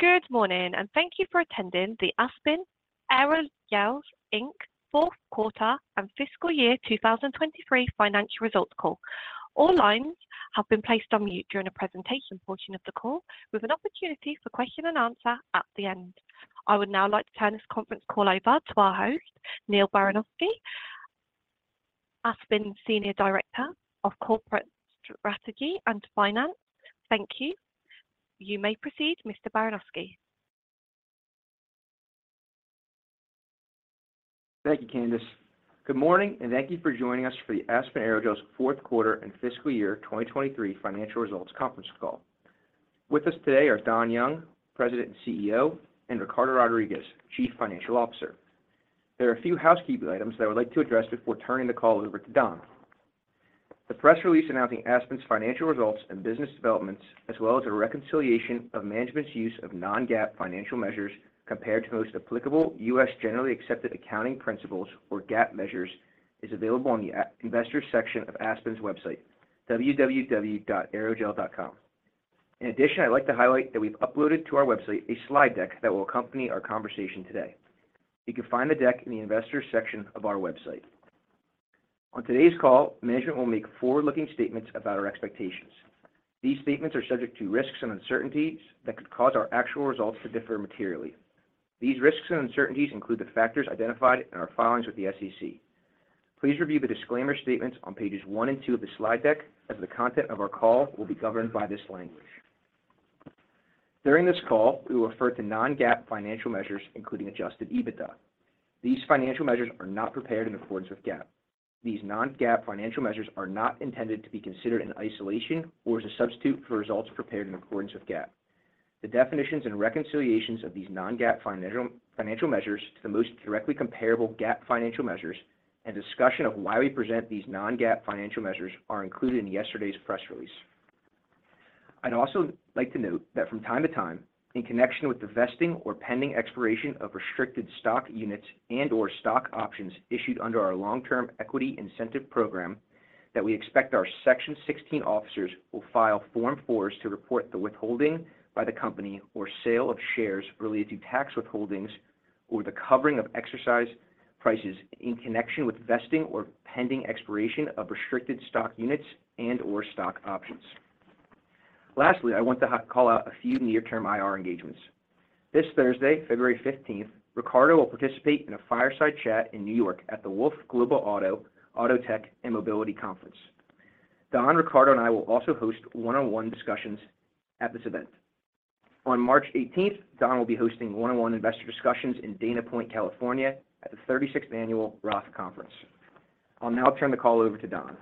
Good morning, and thank you for attending the Aspen Aerogels, Inc. fourth quarter and fiscal year 2023 financial results call. All lines have been placed on mute during the presentation portion of the call, with an opportunity for question and answer at the end. I would now like to turn this conference call over to our host, Neal Baranosky, Aspen Senior Director of Corporate Strategy and Finance. Thank you. You may proceed, Mr. Baranosky. Thank you, Candace. Good morning, and thank you for joining us for the Aspen Aerogels fourth quarter and fiscal year 2023 financial results conference call. With us today are Don Young, President and CEO, and Ricardo Rodriguez, Chief Financial Officer. There are a few housekeeping items that I would like to address before turning the call over to Don. The press release announcing Aspen's financial results and business developments, as well as a reconciliation of management's use of Non-GAAP financial measures compared to most applicable U.S. generally accepted accounting principles or GAAP measures, is available on the Investors section of Aspen's website, www.aerogel.com. In addition, I'd like to highlight that we've uploaded to our website a slide deck that will accompany our conversation today. You can find the deck in the Investors section of our website. On today's call, management will make forward-looking statements about our expectations. These statements are subject to risks and uncertainties that could cause our actual results to differ materially. These risks and uncertainties include the factors identified in our filings with the SEC. Please review the disclaimer statements on pages 1 and 2 of the slide deck, as the content of our call will be governed by this language. During this call, we will refer to Non-GAAP financial measures, including adjusted EBITDA. These financial measures are not prepared in accordance with GAAP. These Non-GAAP financial measures are not intended to be considered in isolation or as a substitute for results prepared in accordance with GAAP. The definitions and reconciliations of these Non-GAAP financial measures to the most directly comparable GAAP financial measures, and discussion of why we present these Non-GAAP financial measures, are included in yesterday's press release. I'd also like to note that from time to time, in connection with the vesting or pending expiration of restricted stock units and/or stock options issued under our long-term equity incentive program, that we expect our Section 16 officers will file Form 4s to report the withholding by the company or sale of shares related to tax withholdings or the covering of exercise prices in connection with vesting or pending expiration of restricted stock units and/or stock options. Lastly, I want to call out a few near-term IR engagements. This Thursday, February 15th, Ricardo will participate in a fireside chat in New York at the Wolfe Global Auto, Autotech, and Mobility Conference. Don, Ricardo, and I will also host one-on-one discussions at this event. On March 18th, Don will be hosting one-on-one investor discussions in Dana Point, California, at the 36th Annual Roth Conference. I'll now turn the call over to Don.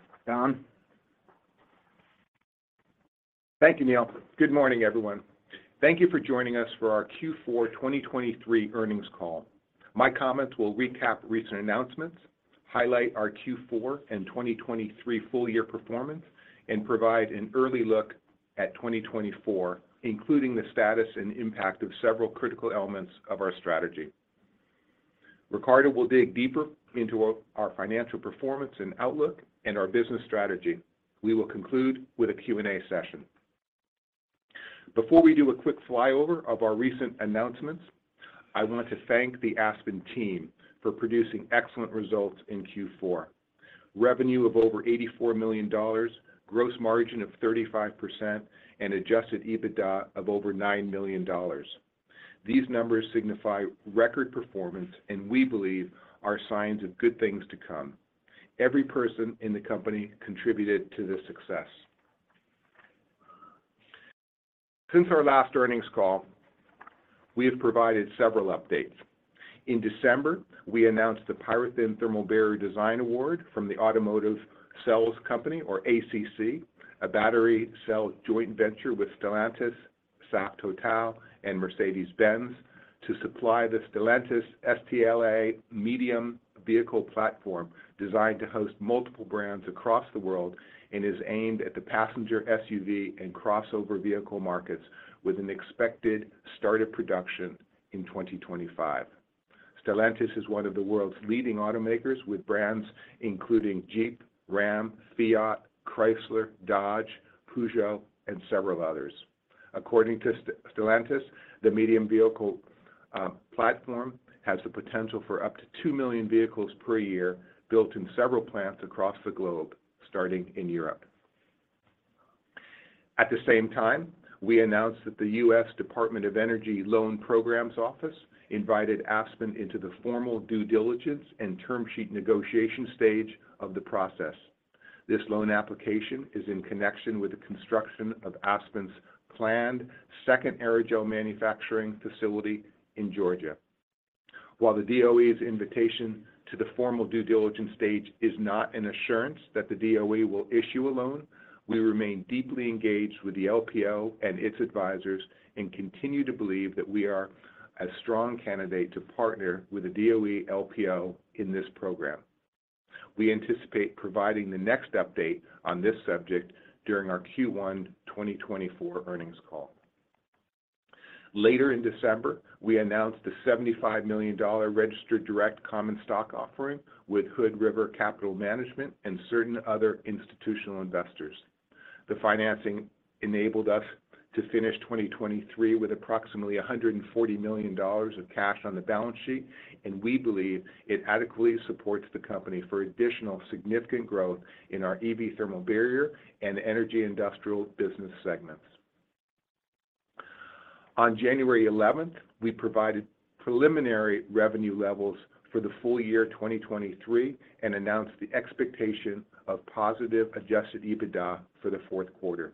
Don? Thank you, Neal. Good morning, everyone. Thank you for joining us for our Q4 2023 earnings call. My comments will recap recent announcements, highlight our Q4 and 2023 full-year performance, and provide an early look at 2024, including the status and impact of several critical elements of our strategy. Ricardo will dig deeper into our financial performance and outlook and our business strategy. We will conclude with a Q&A session. Before we do a quick flyover of our recent announcements, I want to thank the Aspen team for producing excellent results in Q4: revenue of over $84 million, gross margin of 35%, and adjusted EBITDA of over $9 million. These numbers signify record performance, and we believe are signs of good things to come. Every person in the company contributed to this success. Since our last earnings call, we have provided several updates. In December, we announced the PyroThin Thermal Barrier Design Award from the Automotive Cells Company, or ACC, a battery cell joint venture with Stellantis, Saft, and Mercedes-Benz, to supply the Stellantis STLA Medium vehicle platform designed to host multiple brands across the world and is aimed at the passenger SUV and crossover vehicle markets, with an expected start of production in 2025. Stellantis is one of the world's leading automakers, with brands including Jeep, RAM, Fiat, Chrysler, Dodge, Peugeot, and several others. According to Stellantis, the medium vehicle platform has the potential for up to 2 million vehicles per year built in several plants across the globe, starting in Europe. At the same time, we announced that the U.S. Department of Energy Loan Programs Office invited Aspen into the formal due diligence and term sheet negotiation stage of the process. This loan application is in connection with the construction of Aspen's planned second aerogel manufacturing facility in Georgia. While the DOE's invitation to the formal due diligence stage is not an assurance that the DOE will issue a loan, we remain deeply engaged with the LPO and its advisors and continue to believe that we are a strong candidate to partner with the DOE LPO in this program. We anticipate providing the next update on this subject during our Q1 2024 earnings call. Later in December, we announced the $75 million registered direct common stock offering with Hood River Capital Management and certain other institutional investors. The financing enabled us to finish 2023 with approximately $140 million of cash on the balance sheet, and we believe it adequately supports the company for additional significant growth in our EV thermal barrier and energy industrial business segments. On January 11th, we provided preliminary revenue levels for the full year 2023 and announced the expectation of positive adjusted EBITDA for the fourth quarter.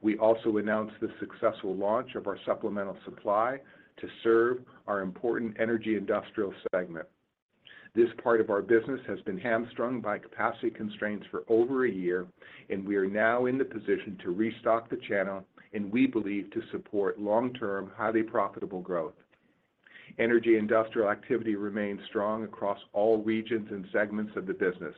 We also announced the successful launch of our supplemental supply to serve our important energy industrial segment. This part of our business has been hamstrung by capacity constraints for over a year, and we are now in the position to restock the channel, and we believe, to support long-term highly profitable growth. Energy industrial activity remains strong across all regions and segments of the business.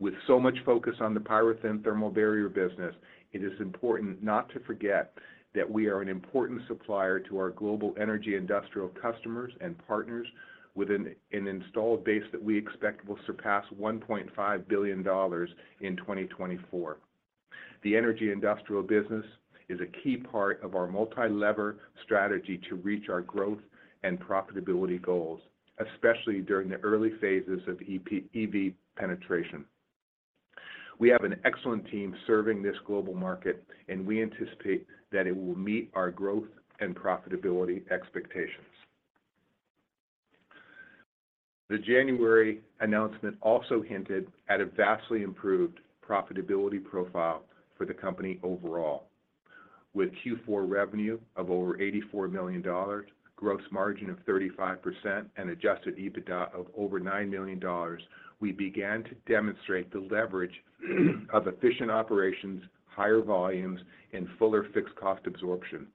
With so much focus on the PyroThin thermal barrier business, it is important not to forget that we are an important supplier to our global energy industrial customers and partners, with an installed base that we expect will surpass $1.5 billion in 2024. The energy industrial business is a key part of our multi-lever strategy to reach our growth and profitability goals, especially during the early phases of EV penetration. We have an excellent team serving this global market, and we anticipate that it will meet our growth and profitability expectations. The January announcement also hinted at a vastly improved profitability profile for the company overall. With Q4 revenue of over $84 million, gross margin of 35%, and Adjusted EBITDA of over $9 million, we began to demonstrate the leverage of efficient operations, higher volumes, and fuller fixed cost absorption.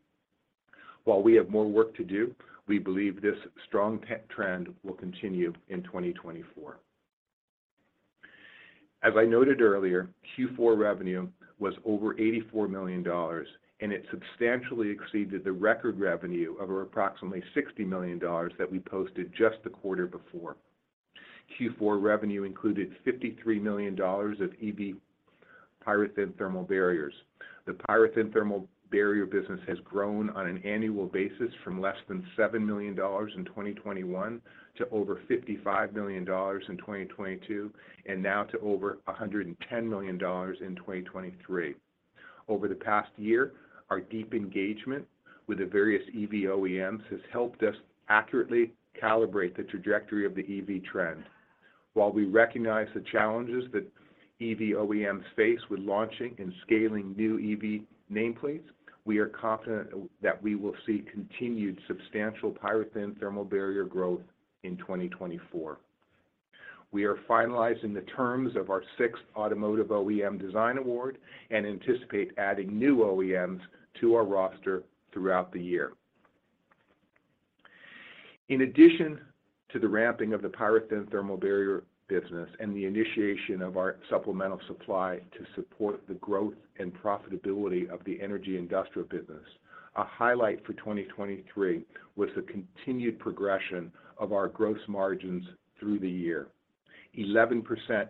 While we have more work to do, we believe this strong trend will continue in 2024. As I noted earlier, Q4 revenue was over $84 million, and it substantially exceeded the record revenue of approximately $60 million that we posted just the quarter before. Q4 revenue included $53 million of EV PyroThin thermal barriers. The PyroThin thermal barrier business has grown on an annual basis from less than $7 million in 2021 to over $55 million in 2022, and now to over $110 million in 2023. Over the past year, our deep engagement with the various EV OEMs has helped us accurately calibrate the trajectory of the EV trend. While we recognize the challenges that EV OEMs face with launching and scaling new EV nameplates, we are confident that we will see continued substantial PyroThin thermal barrier growth in 2024. We are finalizing the terms of our sixth Automotive OEM Design Award and anticipate adding new OEMs to our roster throughout the year. In addition to the ramping of the PyroThin thermal barrier business and the initiation of our supplemental supply to support the growth and profitability of the energy industrial business, a highlight for 2023 was the continued progression of our gross margins through the year: 11%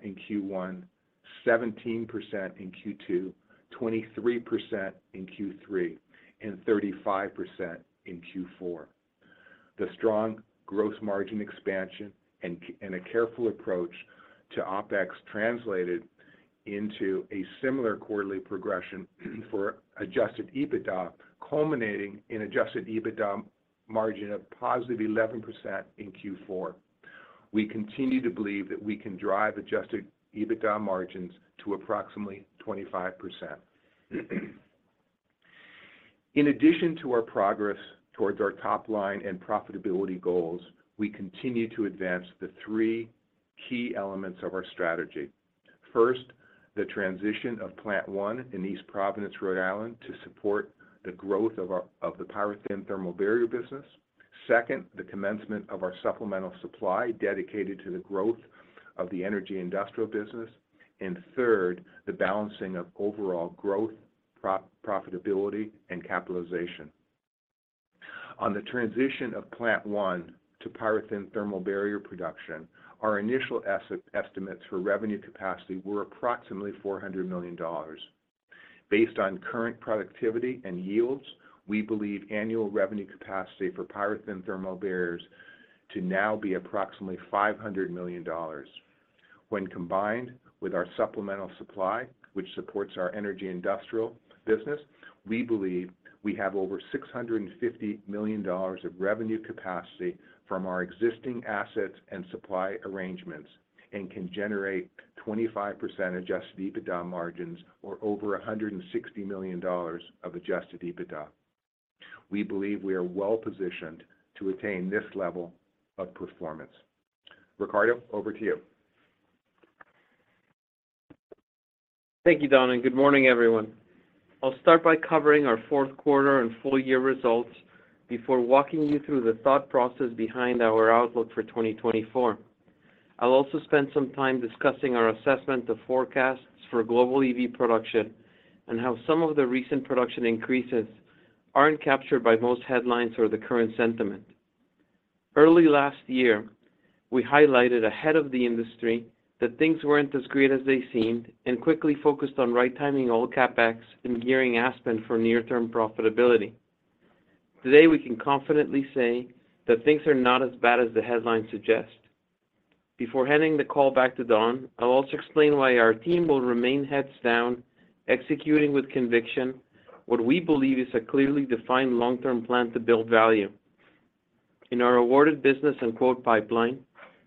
in Q1, 17% in Q2, 23% in Q3, and 35% in Q4. The strong gross margin expansion and a careful approach to OpEx translated into a similar quarterly progression for adjusted EBITDA, culminating in an adjusted EBITDA margin of positive 11% in Q4. We continue to believe that we can drive adjusted EBITDA margins to approximately 25%. In addition to our progress towards our top-line and profitability goals, we continue to advance the three key elements of our strategy: first, the transition of Plant One in East Providence, Rhode Island, to support the growth of the PyroThin thermal barrier business; second, the commencement of our supplemental supply dedicated to the growth of the energy industrial business; and third, the balancing of overall growth, profitability, and capitalization. On the transition of Plant One to PyroThin thermal barrier production, our initial estimates for revenue capacity were approximately $400 million. Based on current productivity and yields, we believe annual revenue capacity for PyroThin thermal barriers to now be approximately $500 million. When combined with our supplemental supply, which supports our energy industrial business, we believe we have over $650 million of revenue capacity from our existing assets and supply arrangements and can generate 25% Adjusted EBITDA margins or over $160 million of Adjusted EBITDA. We believe we are well positioned to attain this level of performance. Ricardo, over to you. Thank you, Don, and good morning, everyone. I'll start by covering our fourth quarter and full-year results before walking you through the thought process behind our outlook for 2024. I'll also spend some time discussing our assessment of forecasts for global EV production and how some of the recent production increases aren't captured by most headlines or the current sentiment. Early last year, we highlighted ahead of the industry that things weren't as great as they seemed and quickly focused on right-timing all CapEx and gearing Aspen for near-term profitability. Today, we can confidently say that things are not as bad as the headlines suggest. Before handing the call back to Don, I'll also explain why our team will remain heads down, executing with conviction what we believe is a clearly defined long-term plan to build value. In our awarded business and quote pipeline,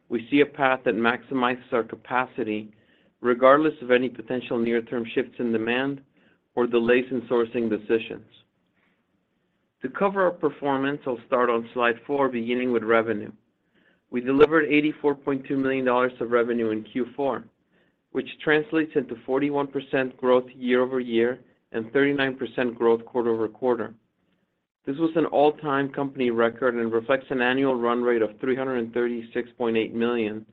we see a path that maximizes our capacity regardless of any potential near-term shifts in demand or delays in sourcing decisions. To cover our performance, I'll start on slide 4, beginning with revenue. We delivered $84.2 million of revenue in Q4, which translates into 41% growth year-over-year and 39% growth quarter-over-quarter. This was an all-time company record and reflects an annual run rate of $336.8 million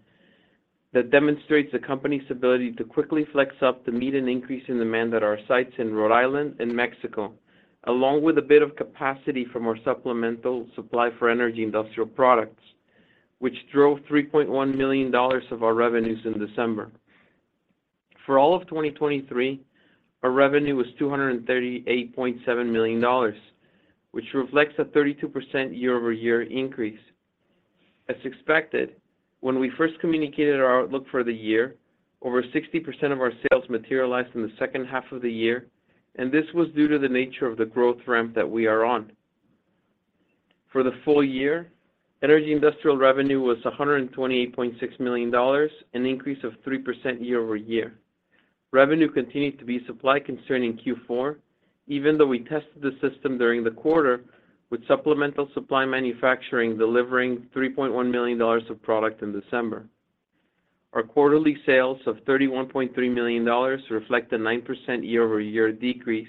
that demonstrates the company's ability to quickly flex up to meet an increase in demand at our sites in Rhode Island and Mexico, along with a bit of capacity from our supplemental supply for energy industrial products, which drove $3.1 million of our revenues in December. For all of 2023, our revenue was $238.7 million, which reflects a 32% year-over-year increase. As expected, when we first communicated our outlook for the year, over 60% of our sales materialized in the second half of the year, and this was due to the nature of the growth ramp that we are on. For the full year, energy industrial revenue was $128.6 million, an increase of 3% year-over-year. Revenue continued to be supply-constrained in Q4, even though we tested the system during the quarter with supplemental supply manufacturing delivering $3.1 million of product in December. Our quarterly sales of $31.3 million reflect a 9% year-over-year decrease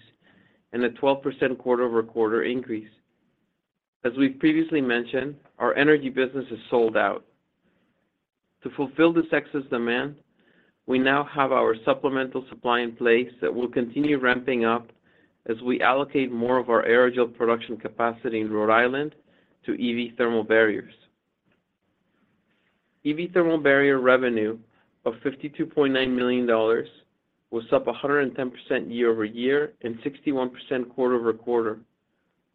and a 12% quarter-over-quarter increase. As we've previously mentioned, our energy business is sold out. To fulfill this excess demand, we now have our supplemental supply in place that will continue ramping up as we allocate more of our aerogel production capacity in Rhode Island to EV thermal barriers. EV thermal barrier revenue of $52.9 million was up 110% year-over-year and 61% quarter-over-quarter,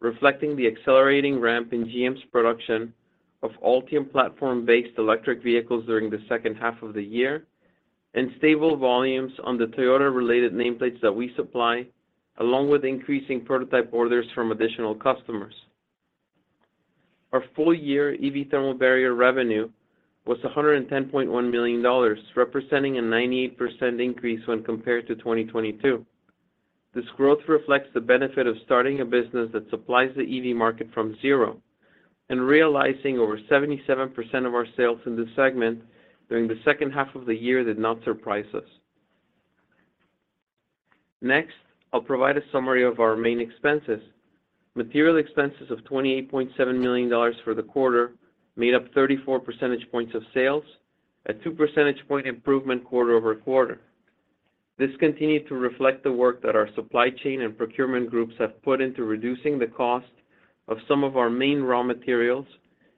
reflecting the accelerating ramp in GM's production of Ultium platform-based electric vehicles during the second half of the year and stable volumes on the Toyota-related nameplates that we supply, along with increasing prototype orders from additional customers. Our full-year EV thermal barrier revenue was $110.1 million, representing a 98% increase when compared to 2022. This growth reflects the benefit of starting a business that supplies the EV market from zero and realizing over 77% of our sales in this segment during the second half of the year did not surprise us. Next, I'll provide a summary of our main expenses. Material expenses of $28.7 million for the quarter made up 34 percentage points of sales, a 2 percentage point improvement quarter-over-quarter. This continued to reflect the work that our supply chain and procurement groups have put into reducing the cost of some of our main raw materials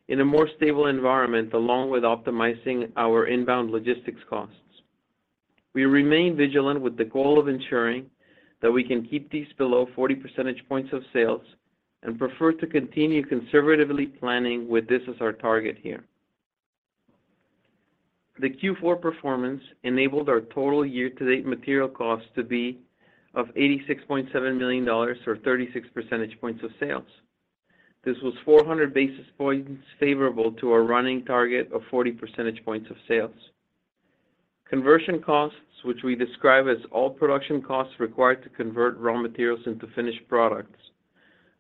in a more stable environment, along with optimizing our inbound logistics costs. We remain vigilant with the goal of ensuring that we can keep these below 40 percentage points of sales and prefer to continue conservatively planning, with this as our target here. The Q4 performance enabled our total year-to-date material costs to be of $86.7 million or 36 percentage points of sales. This was 400 basis points favorable to our running target of 40 percentage points of sales. Conversion costs, which we describe as all production costs required to convert raw materials into finished products,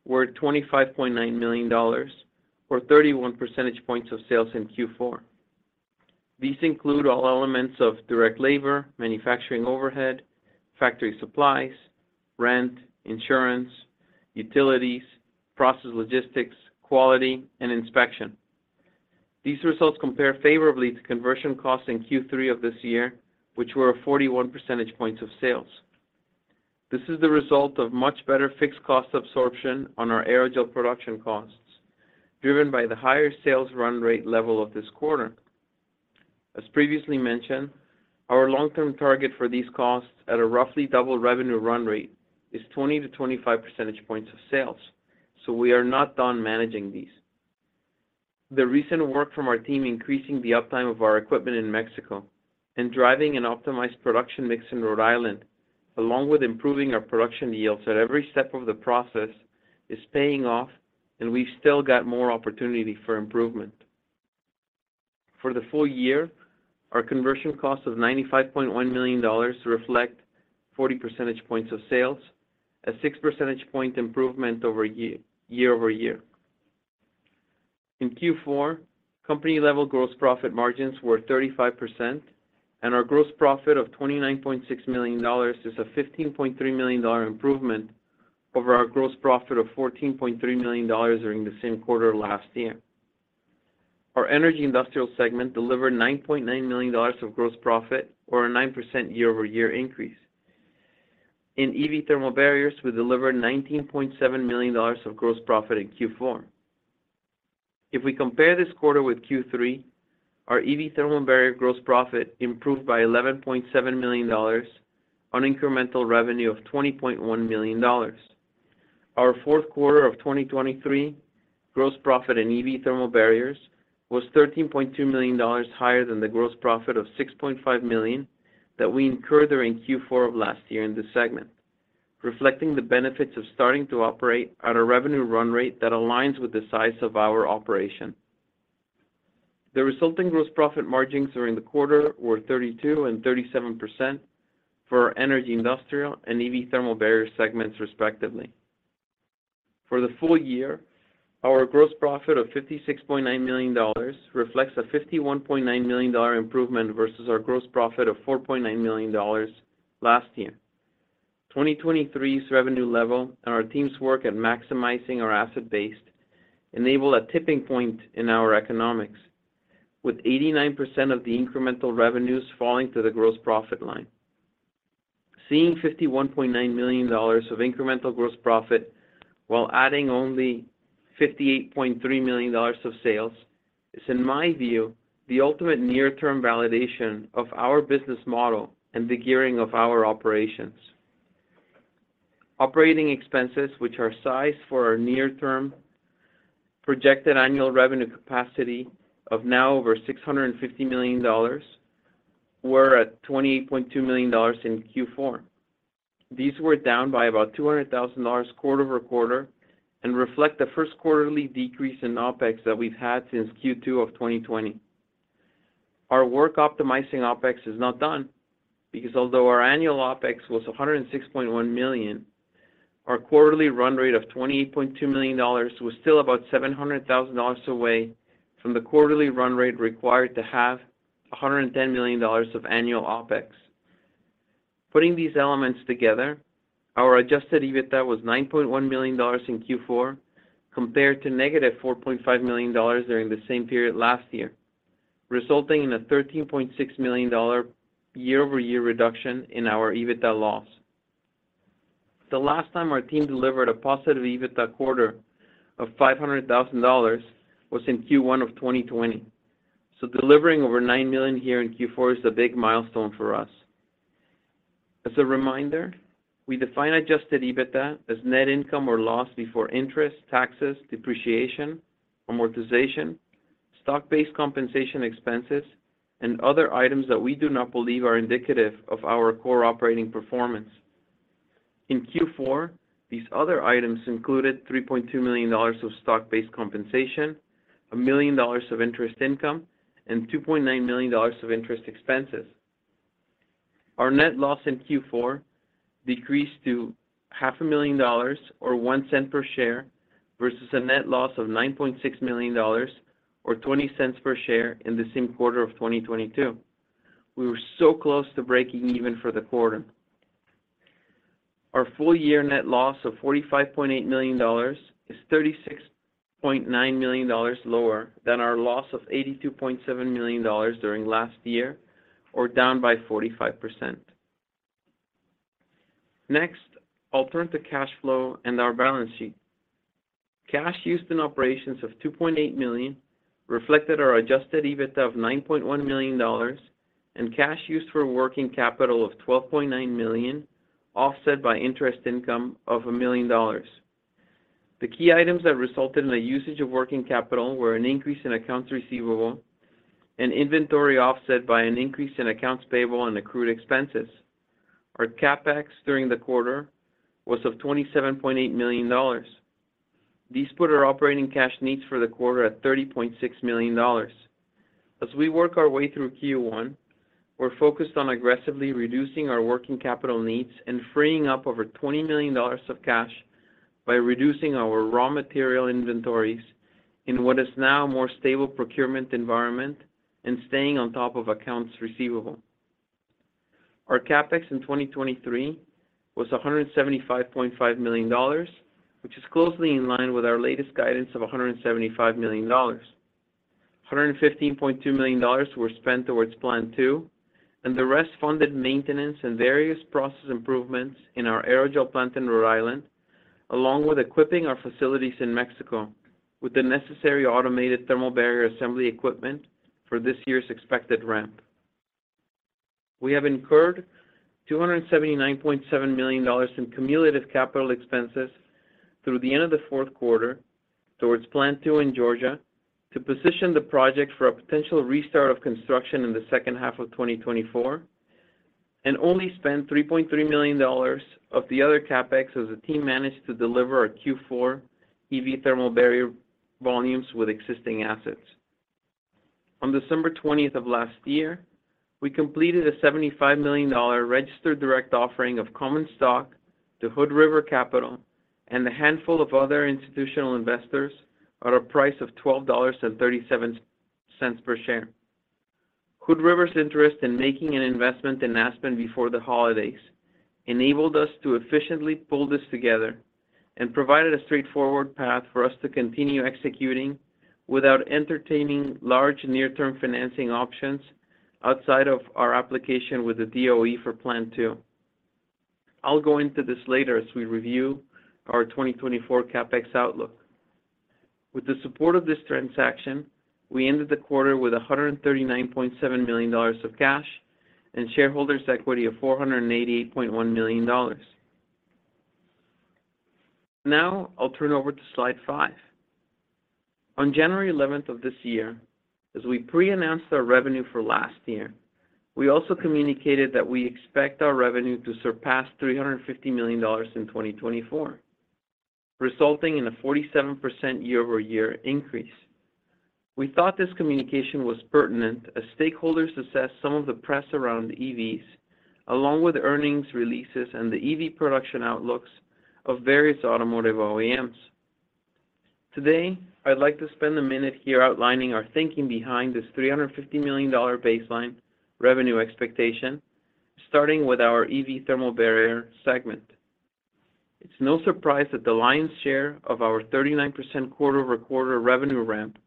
were $25.9 million or 31 percentage points of sales in Q4. These include all elements of direct labor, manufacturing overhead, factory supplies, rent, insurance, utilities, process logistics, quality, and inspection. These results compare favorably to conversion costs in Q3 of this year, which were 41 percentage points of sales. This is the result of much better fixed cost absorption on our aerogel production costs, driven by the higher sales run rate level of this quarter. As previously mentioned, our long-term target for these costs at a roughly double revenue run rate is 20-25 percentage points of sales, so we are not done managing these. The recent work from our team increasing the uptime of our equipment in Mexico and driving an optimized production mix in Rhode Island, along with improving our production yields at every step of the process, is paying off, and we've still got more opportunity for improvement. For the full year, our conversion cost of $95.1 million reflects 40 percentage points of sales, a 6 percentage point improvement year-over-year. In Q4, company-level gross profit margins were 35%, and our gross profit of $29.6 million is a $15.3 million improvement over our gross profit of $14.3 million during the same quarter last year. Our energy industrial segment delivered $9.9 million of gross profit or a 9% year-over-year increase. In EV thermal barriers, we delivered $19.7 million of gross profit in Q4. If we compare this quarter with Q3, our EV thermal barrier gross profit improved by $11.7 million, an incremental revenue of $20.1 million. Our fourth quarter of 2023 gross profit in EV thermal barriers was $13.2 million higher than the gross profit of $6.5 million that we incurred during Q4 of last year in this segment, reflecting the benefits of starting to operate at a revenue run rate that aligns with the size of our operation. The resulting gross profit margins during the quarter were 32% and 37% for our energy industrial and EV thermal barrier segments, respectively. For the full year, our gross profit of $56.9 million reflects a $51.9 million improvement versus our gross profit of $4.9 million last year. 2023's revenue level and our team's work at maximizing our asset base enable a tipping point in our economics, with 89% of the incremental revenues falling to the gross profit line. Seeing $51.9 million of incremental gross profit while adding only $58.3 million of sales is, in my view, the ultimate near-term validation of our business model and the gearing of our operations. Operating expenses, which are sized for our near-term projected annual revenue capacity of now over $650 million, were at $28.2 million in Q4. These were down by about $200,000 quarter-over-quarter and reflect the first quarterly decrease in OpEx that we've had since Q2 of 2020. Our work optimizing OpEx is not done because, although our annual OpEx was $106.1 million, our quarterly run rate of $28.2 million was still about $700,000 away from the quarterly run rate required to have $110 million of annual OpEx. Putting these elements together, our adjusted EBITDA was $9.1 million in Q4 compared to negative $4.5 million during the same period last year, resulting in a $13.6 million year-over-year reduction in our EBITDA loss. The last time our team delivered a positive EBITDA quarter of $500,000 was in Q1 of 2020, so delivering over $9 million here in Q4 is a big milestone for us. As a reminder, we define adjusted EBITDA as net income or loss before interest, taxes, depreciation, amortization, stock-based compensation expenses, and other items that we do not believe are indicative of our core operating performance. In Q4, these other items included $3.2 million of stock-based compensation, $1 million of interest income, and $2.9 million of interest expenses. Our net loss in Q4 decreased to $500,000 or $0.01 per share versus a net loss of $9.6 million or $0.20 per share in the same quarter of 2022. We were so close to breaking even for the quarter. Our full-year net loss of $45.8 million is $36.9 million lower than our loss of $82.7 million during last year, or down by 45%. Next, alternative cash flow and our balance sheet. Cash used in operations of $2.8 million reflected our Adjusted EBITDA of $9.1 million and cash used for working capital of $12.9 million, offset by interest income of $1 million. The key items that resulted in the usage of working capital were an increase in accounts receivable and inventory offset by an increase in accounts payable and accrued expenses. Our CapEx during the quarter was of $27.8 million. These put our operating cash needs for the quarter at $30.6 million. As we work our way through Q1, we're focused on aggressively reducing our working capital needs and freeing up over $20 million of cash by reducing our raw material inventories in what is now a more stable procurement environment and staying on top of accounts receivable. Our CapEx in 2023 was $175.5 million, which is closely in line with our latest guidance of $175 million. $115.2 million were spent towards Plant 2, and the rest funded maintenance and various process improvements in our aerogel plant in Rhode Island, along with equipping our facilities in Mexico with the necessary automated thermal barrier assembly equipment for this year's expected ramp. We have incurred $279.7 million in cumulative capital expenses through the end of the fourth quarter towards Plant 2 in Georgia to position the project for a potential restart of construction in the second half of 2024, and only spent $3.3 million of the other CapEx as the team managed to deliver our Q4 EV thermal barrier volumes with existing assets. On December 20th of last year, we completed a $75 million registered direct offering of common stock to Hood River Capital and a handful of other institutional investors at a price of $12.37 per share. Hood River's interest in making an investment in Aspen before the holidays enabled us to efficiently pull this together and provided a straightforward path for us to continue executing without entertaining large near-term financing options outside of our application with the DOE for Plant 2. I'll go into this later as we review our 2024 CapEx outlook. With the support of this transaction, we ended the quarter with $139.7 million of cash and shareholders' equity of $488.1 million. Now, I'll turn over to slide 5. On January 11th of this year, as we pre-announced our revenue for last year, we also communicated that we expect our revenue to surpass $350 million in 2024, resulting in a 47% year-over-year increase. We thought this communication was pertinent as stakeholders assessed some of the press around EVs, along with earnings releases and the EV production outlooks of various automotive OEMs. Today, I'd like to spend a minute here outlining our thinking behind this $350 million baseline revenue expectation, starting with our EV thermal barrier segment. It's no surprise that the lion's share of our 39% quarter-over-quarter revenue ramp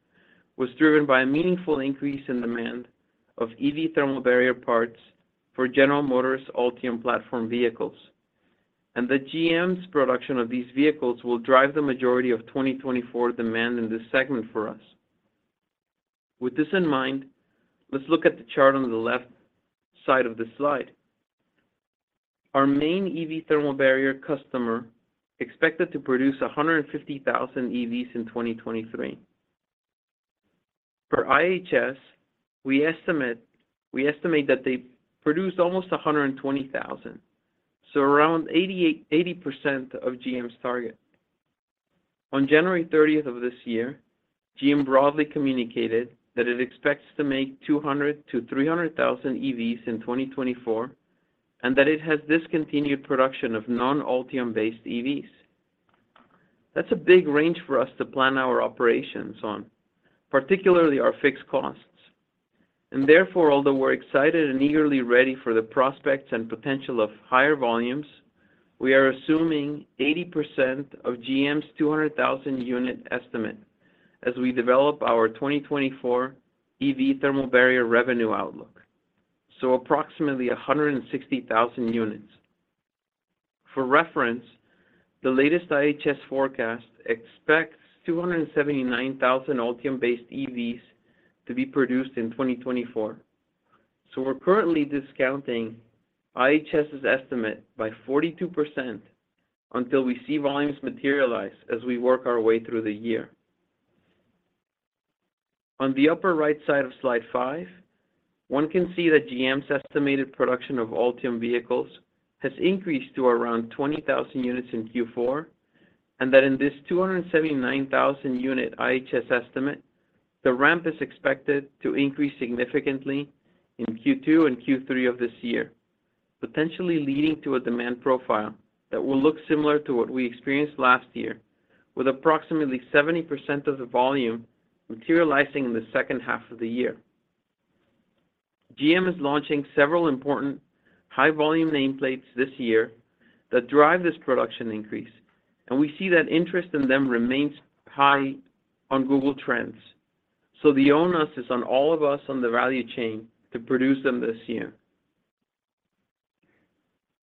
was driven by a meaningful increase in demand of EV thermal barrier parts for General Motors' Ultium platform vehicles, and that GM's production of these vehicles will drive the majority of 2024 demand in this segment for us. With this in mind, let's look at the chart on the left side of the slide. Our main EV thermal barrier customer expected to produce 150,000 EVs in 2023. For IHS, we estimate that they produced almost 120,000, so around 80% of GM's target. On January 30th of this year, GM broadly communicated that it expects to make 200,000-300,000 EVs in 2024 and that it has discontinued production of non-Ultium-based EVs. That's a big range for us to plan our operations on, particularly our fixed costs. Therefore, although we're excited and eagerly ready for the prospects and potential of higher volumes, we are assuming 80% of GM's 200,000 unit estimate as we develop our 2024 EV thermal barrier revenue outlook, so approximately 160,000 units. For reference, the latest IHS forecast expects 279,000 Ultium-based EVs to be produced in 2024, so we're currently discounting IHS's estimate by 42% until we see volumes materialize as we work our way through the year. On the upper right side of slide 5, one can see that GM's estimated production of Ultium vehicles has increased to around 20,000 units in Q4, and that in this 279,000 unit IHS estimate, the ramp is expected to increase significantly in Q2 and Q3 of this year, potentially leading to a demand profile that will look similar to what we experienced last year, with approximately 70% of the volume materializing in the second half of the year. GM is launching several important high-volume nameplates this year that drive this production increase, and we see that interest in them remains high on Google Trends, so the onus is on all of us on the value chain to produce them this year.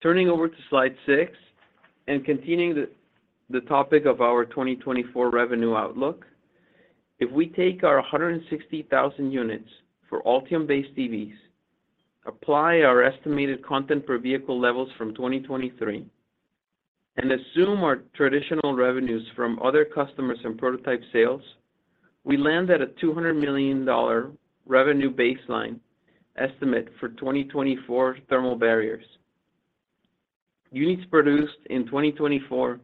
Turning over to slide 6 and continuing the topic of our 2024 revenue outlook, if we take our 160,000 units for Ultium-based EVs, apply our estimated content per vehicle levels from 2023, and assume our traditional revenues from other customers and prototype sales, we land at a $200 million revenue baseline estimate for 2024 thermal barriers. Units produced in 2024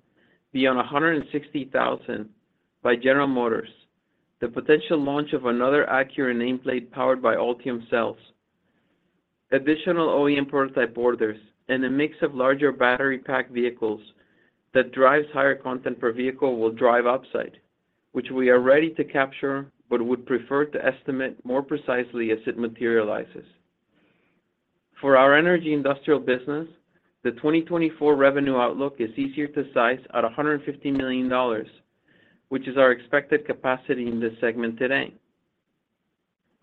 beyond 160,000 by General Motors, the potential launch of another Acura nameplate powered by Ultium cells, additional OEM prototype orders, and a mix of larger battery-packed vehicles that drives higher content per vehicle will drive upside, which we are ready to capture but would prefer to estimate more precisely as it materializes. For our energy industrial business, the 2024 revenue outlook is easier to size at $150 million, which is our expected capacity in this segment today.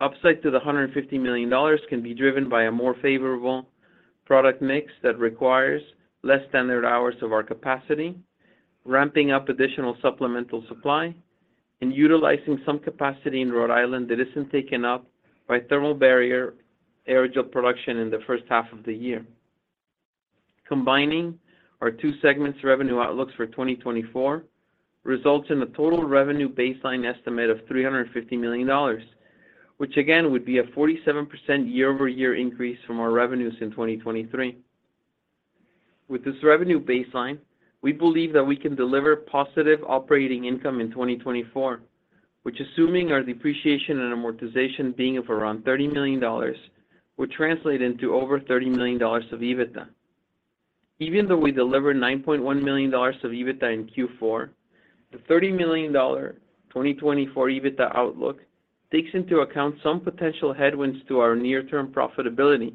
Upside to the $150 million can be driven by a more favorable product mix that requires less standard hours of our capacity, ramping up additional supplemental supply, and utilizing some capacity in Rhode Island that isn't taken up by thermal barrier aerogel production in the first half of the year. Combining our two segments' revenue outlooks for 2024 results in a total revenue baseline estimate of $350 million, which again would be a 47% year-over-year increase from our revenues in 2023. With this revenue baseline, we believe that we can deliver positive operating income in 2024, which, assuming our depreciation and amortization being of around $30 million, would translate into over $30 million of EBITDA. Even though we deliver $9.1 million of EBITDA in Q4, the $30 million 2024 EBITDA outlook takes into account some potential headwinds to our near-term profitability,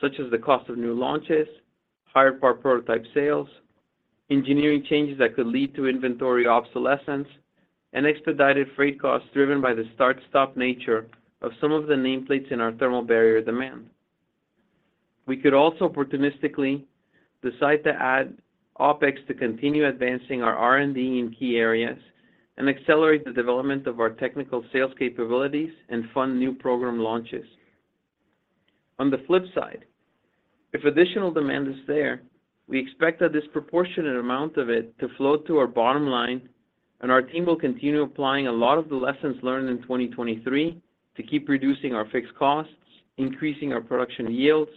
such as the cost of new launches, higher part prototype sales, engineering changes that could lead to inventory obsolescence, and expedited freight costs driven by the start-stop nature of some of the nameplates in our thermal barrier demand. We could also opportunistically decide to add OpEx to continue advancing our R&D in key areas and accelerate the development of our technical sales capabilities and fund new program launches. On the flip side, if additional demand is there, we expect a disproportionate amount of it to float to our bottom line, and our team will continue applying a lot of the lessons learned in 2023 to keep reducing our fixed costs, increasing our production yields,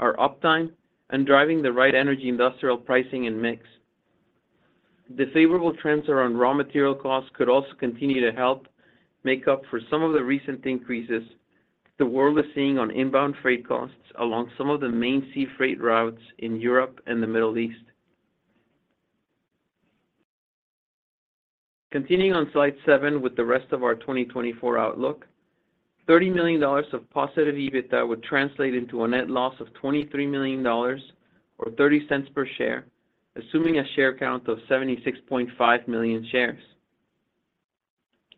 our uptime, and driving the right energy industrial pricing and mix. The favorable trends around raw material costs could also continue to help make up for some of the recent increases the world is seeing on inbound freight costs along some of the main sea freight routes in Europe and the Middle East. Continuing on slide 7 with the rest of our 2024 outlook, $30 million of positive EBITDA would translate into a net loss of $23 million or 30 cents per share, assuming a share count of 76.5 million shares.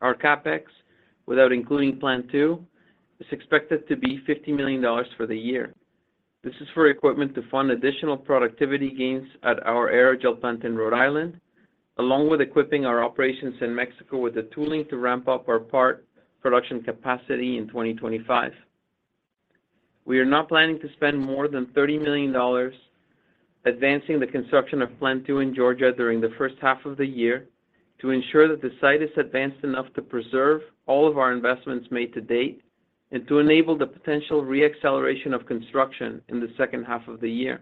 Our CapEx, without including Plant 2, is expected to be $50 million for the year. This is for equipment to fund additional productivity gains at our aerogel plant in Rhode Island, along with equipping our operations in Mexico with the tooling to ramp up our part production capacity in 2025. We are not planning to spend more than $30 million advancing the construction of Plant 2 in Georgia during the first half of the year to ensure that the site is advanced enough to preserve all of our investments made to date and to enable the potential re-acceleration of construction in the second half of the year.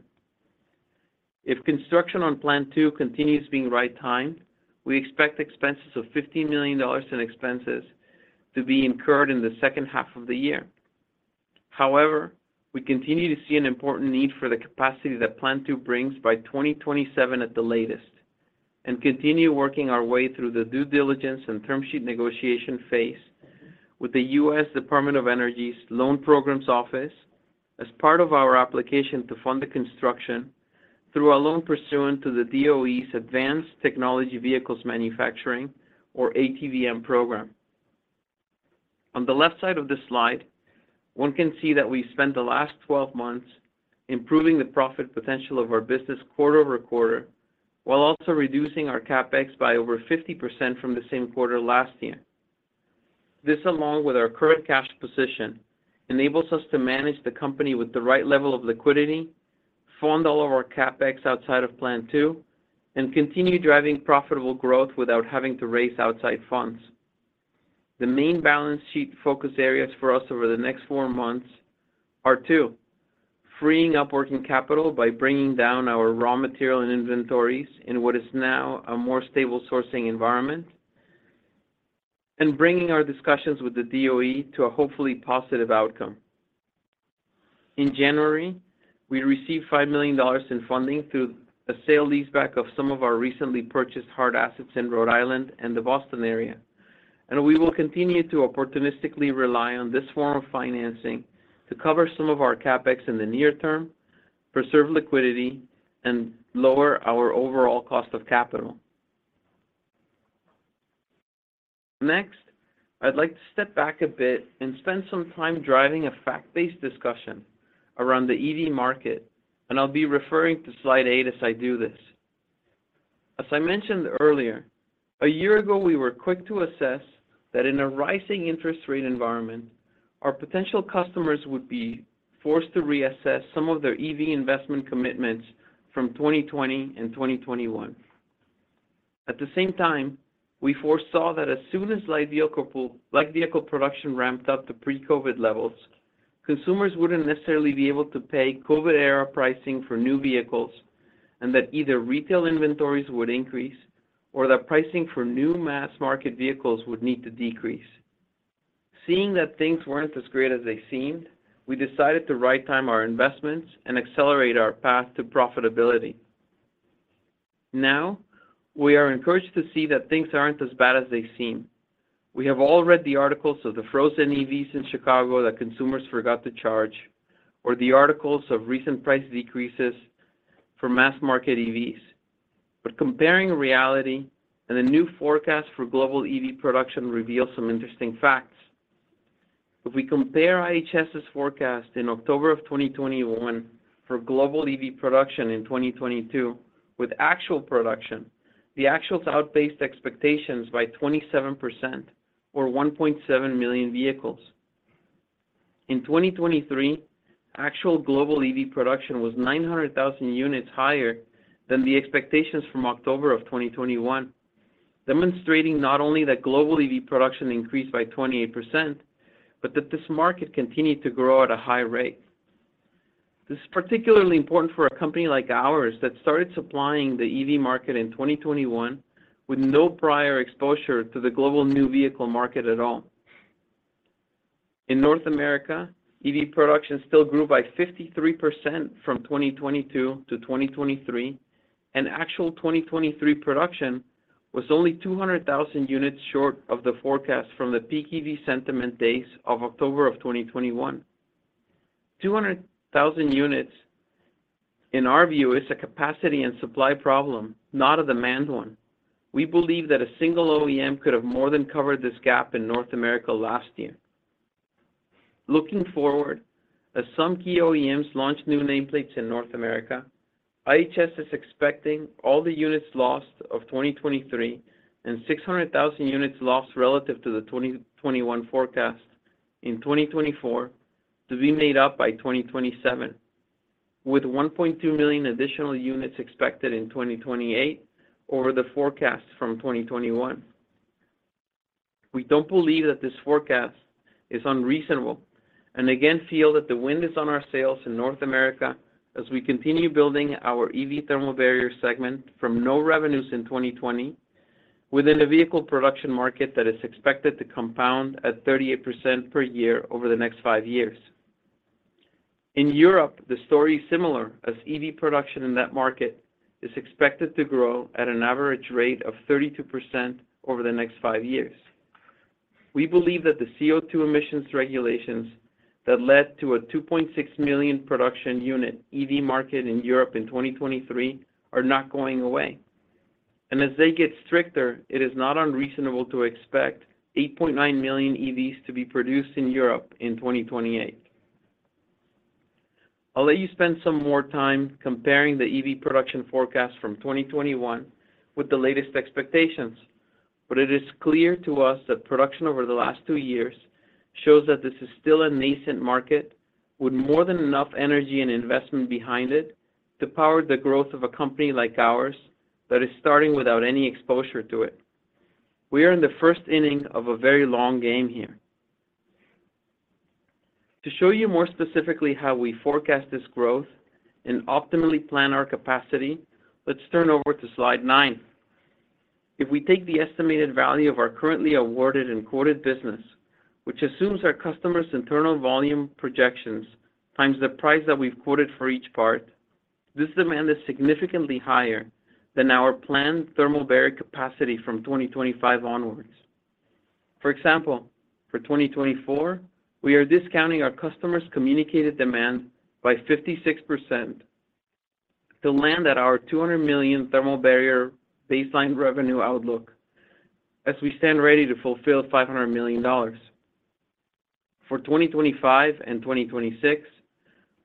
If construction on Plant 2 continues being right-timed, we expect expenses of $15 million in expenses to be incurred in the second half of the year. However, we continue to see an important need for the capacity that Plant 2 brings by 2027 at the latest and continue working our way through the due diligence and term sheet negotiation phase with the U.S. Department of Energy's Loan Programs Office as part of our application to fund the construction through a loan pursuant to the DOE's Advanced Technology Vehicles Manufacturing, or ATVM, program. On the left side of this slide, one can see that we spent the last 12 months improving the profit potential of our business quarter-over-quarter while also reducing our CapEx by over 50% from the same quarter last year. This, along with our current cash position, enables us to manage the company with the right level of liquidity, fund all of our CapEx outside of Plant 2, and continue driving profitable growth without having to raise outside funds. The main balance sheet focus areas for us over the next four months are: Two, freeing up working capital by bringing down our raw material and inventories in what is now a more stable sourcing environment, and bringing our discussions with the DOE to a hopefully positive outcome. In January, we received $5 million in funding through a sale leaseback of some of our recently purchased hard assets in Rhode Island and the Boston area, and we will continue to opportunistically rely on this form of financing to cover some of our CapEx in the near term, preserve liquidity, and lower our overall cost of capital. Next, I'd like to step back a bit and spend some time driving a fact-based discussion around the EV market, and I'll be referring to slide eight as I do this. As I mentioned earlier, a year ago we were quick to assess that in a rising interest rate environment, our potential customers would be forced to reassess some of their EV investment commitments from 2020 and 2021. At the same time, we foresaw that as soon as light vehicle production ramped up to pre-COVID levels, consumers wouldn't necessarily be able to pay COVID-era pricing for new vehicles and that either retail inventories would increase or that pricing for new mass market vehicles would need to decrease. Seeing that things weren't as great as they seemed, we decided to right-time our investments and accelerate our path to profitability. Now, we are encouraged to see that things aren't as bad as they seem. We have all read the articles of the frozen EVs in Chicago that consumers forgot to charge, or the articles of recent price decreases for mass market EVs, but comparing reality and the new forecast for global EV production reveals some interesting facts. If we compare IHS's forecast in October of 2021 for global EV production in 2022 with actual production, the actuals outpaced expectations by 27%, or 1.7 million vehicles. In 2023, actual global EV production was 900,000 units higher than the expectations from October of 2021, demonstrating not only that global EV production increased by 28% but that this market continued to grow at a high rate. This is particularly important for a company like ours that started supplying the EV market in 2021 with no prior exposure to the global new vehicle market at all. In North America, EV production still grew by 53% from 2022 to 2023, and actual 2023 production was only 200,000 units short of the forecast from the peak EV sentiment days of October of 2021. 200,000 units, in our view, is a capacity and supply problem, not a demand one. We believe that a single OEM could have more than covered this gap in North America last year. Looking forward, as some key OEMs launch new nameplates in North America, IHS is expecting all the units lost of 2023 and 600,000 units lost relative to the 2021 forecast in 2024 to be made up by 2027, with 1.2 million additional units expected in 2028 over the forecast from 2021. We don't believe that this forecast is unreasonable and again feel that the wind is on our sails in North America as we continue building our EV thermal barrier segment from no revenues in 2020, within a vehicle production market that is expected to compound at 38% per year over the next five years. In Europe, the story is similar, as EV production in that market is expected to grow at an average rate of 32% over the next five years. We believe that the CO2 emissions regulations that led to a 2.6 million production unit EV market in Europe in 2023 are not going away, and as they get stricter, it is not unreasonable to expect 8.9 million EVs to be produced in Europe in 2028. I'll let you spend some more time comparing the EV production forecast from 2021 with the latest expectations, but it is clear to us that production over the last two years shows that this is still a nascent market with more than enough energy and investment behind it to power the growth of a company like ours that is starting without any exposure to it. We are in the first inning of a very long game here. To show you more specifically how we forecast this growth and optimally plan our capacity, let's turn over to slide nine. If we take the estimated value of our currently awarded and quoted business, which assumes our customer's internal volume projections times the price that we've quoted for each part, this demand is significantly higher than our planned thermal barrier capacity from 2025 onwards. For example, for 2024, we are discounting our customer's communicated demand by 56% to land at our $200 million thermal barrier baseline revenue outlook as we stand ready to fulfill $500 million. For 2025 and 2026,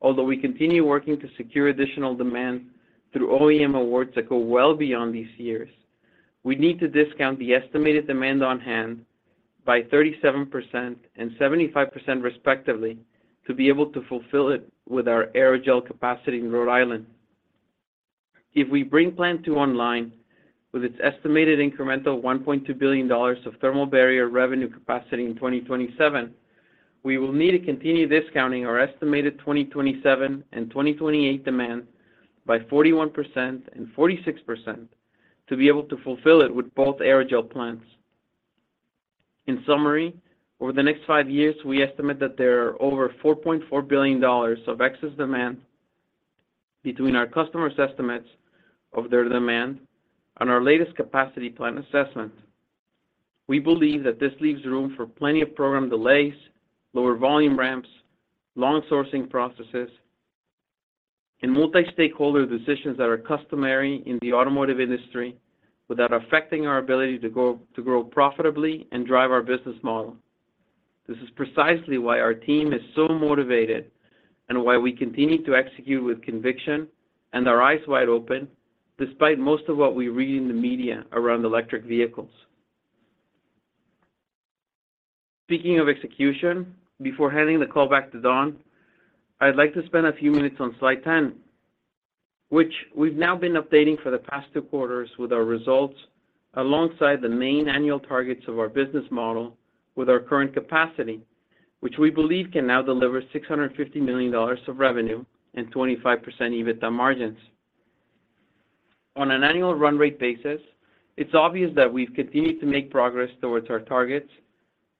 although we continue working to secure additional demand through OEM awards that go well beyond these years, we need to discount the estimated demand on hand by 37% and 75% respectively to be able to fulfill it with our aerogel capacity in Rhode Island. If we bring Plant 2 online with its estimated incremental $1.2 billion of thermal barrier revenue capacity in 2027, we will need to continue discounting our estimated 2027 and 2028 demand by 41% and 46% to be able to fulfill it with both aerogel plants. In summary, over the next five years, we estimate that there are over $4.4 billion of excess demand between our customer's estimates of their demand and our latest capacity plan assessment. We believe that this leaves room for plenty of program delays, lower volume ramps, long sourcing processes, and multi-stakeholder decisions that are customary in the automotive industry without affecting our ability to grow profitably and drive our business model. This is precisely why our team is so motivated and why we continue to execute with conviction and our eyes wide open despite most of what we read in the media around electric vehicles. Speaking of execution, before handing the call back to Don, I'd like to spend a few minutes on Slide 10, which we've now been updating for the past two quarters with our results alongside the main annual targets of our business model with our current capacity, which we believe can now deliver $650 million of revenue and 25% EBITDA margins. On an annual run-rate basis, it's obvious that we've continued to make progress towards our targets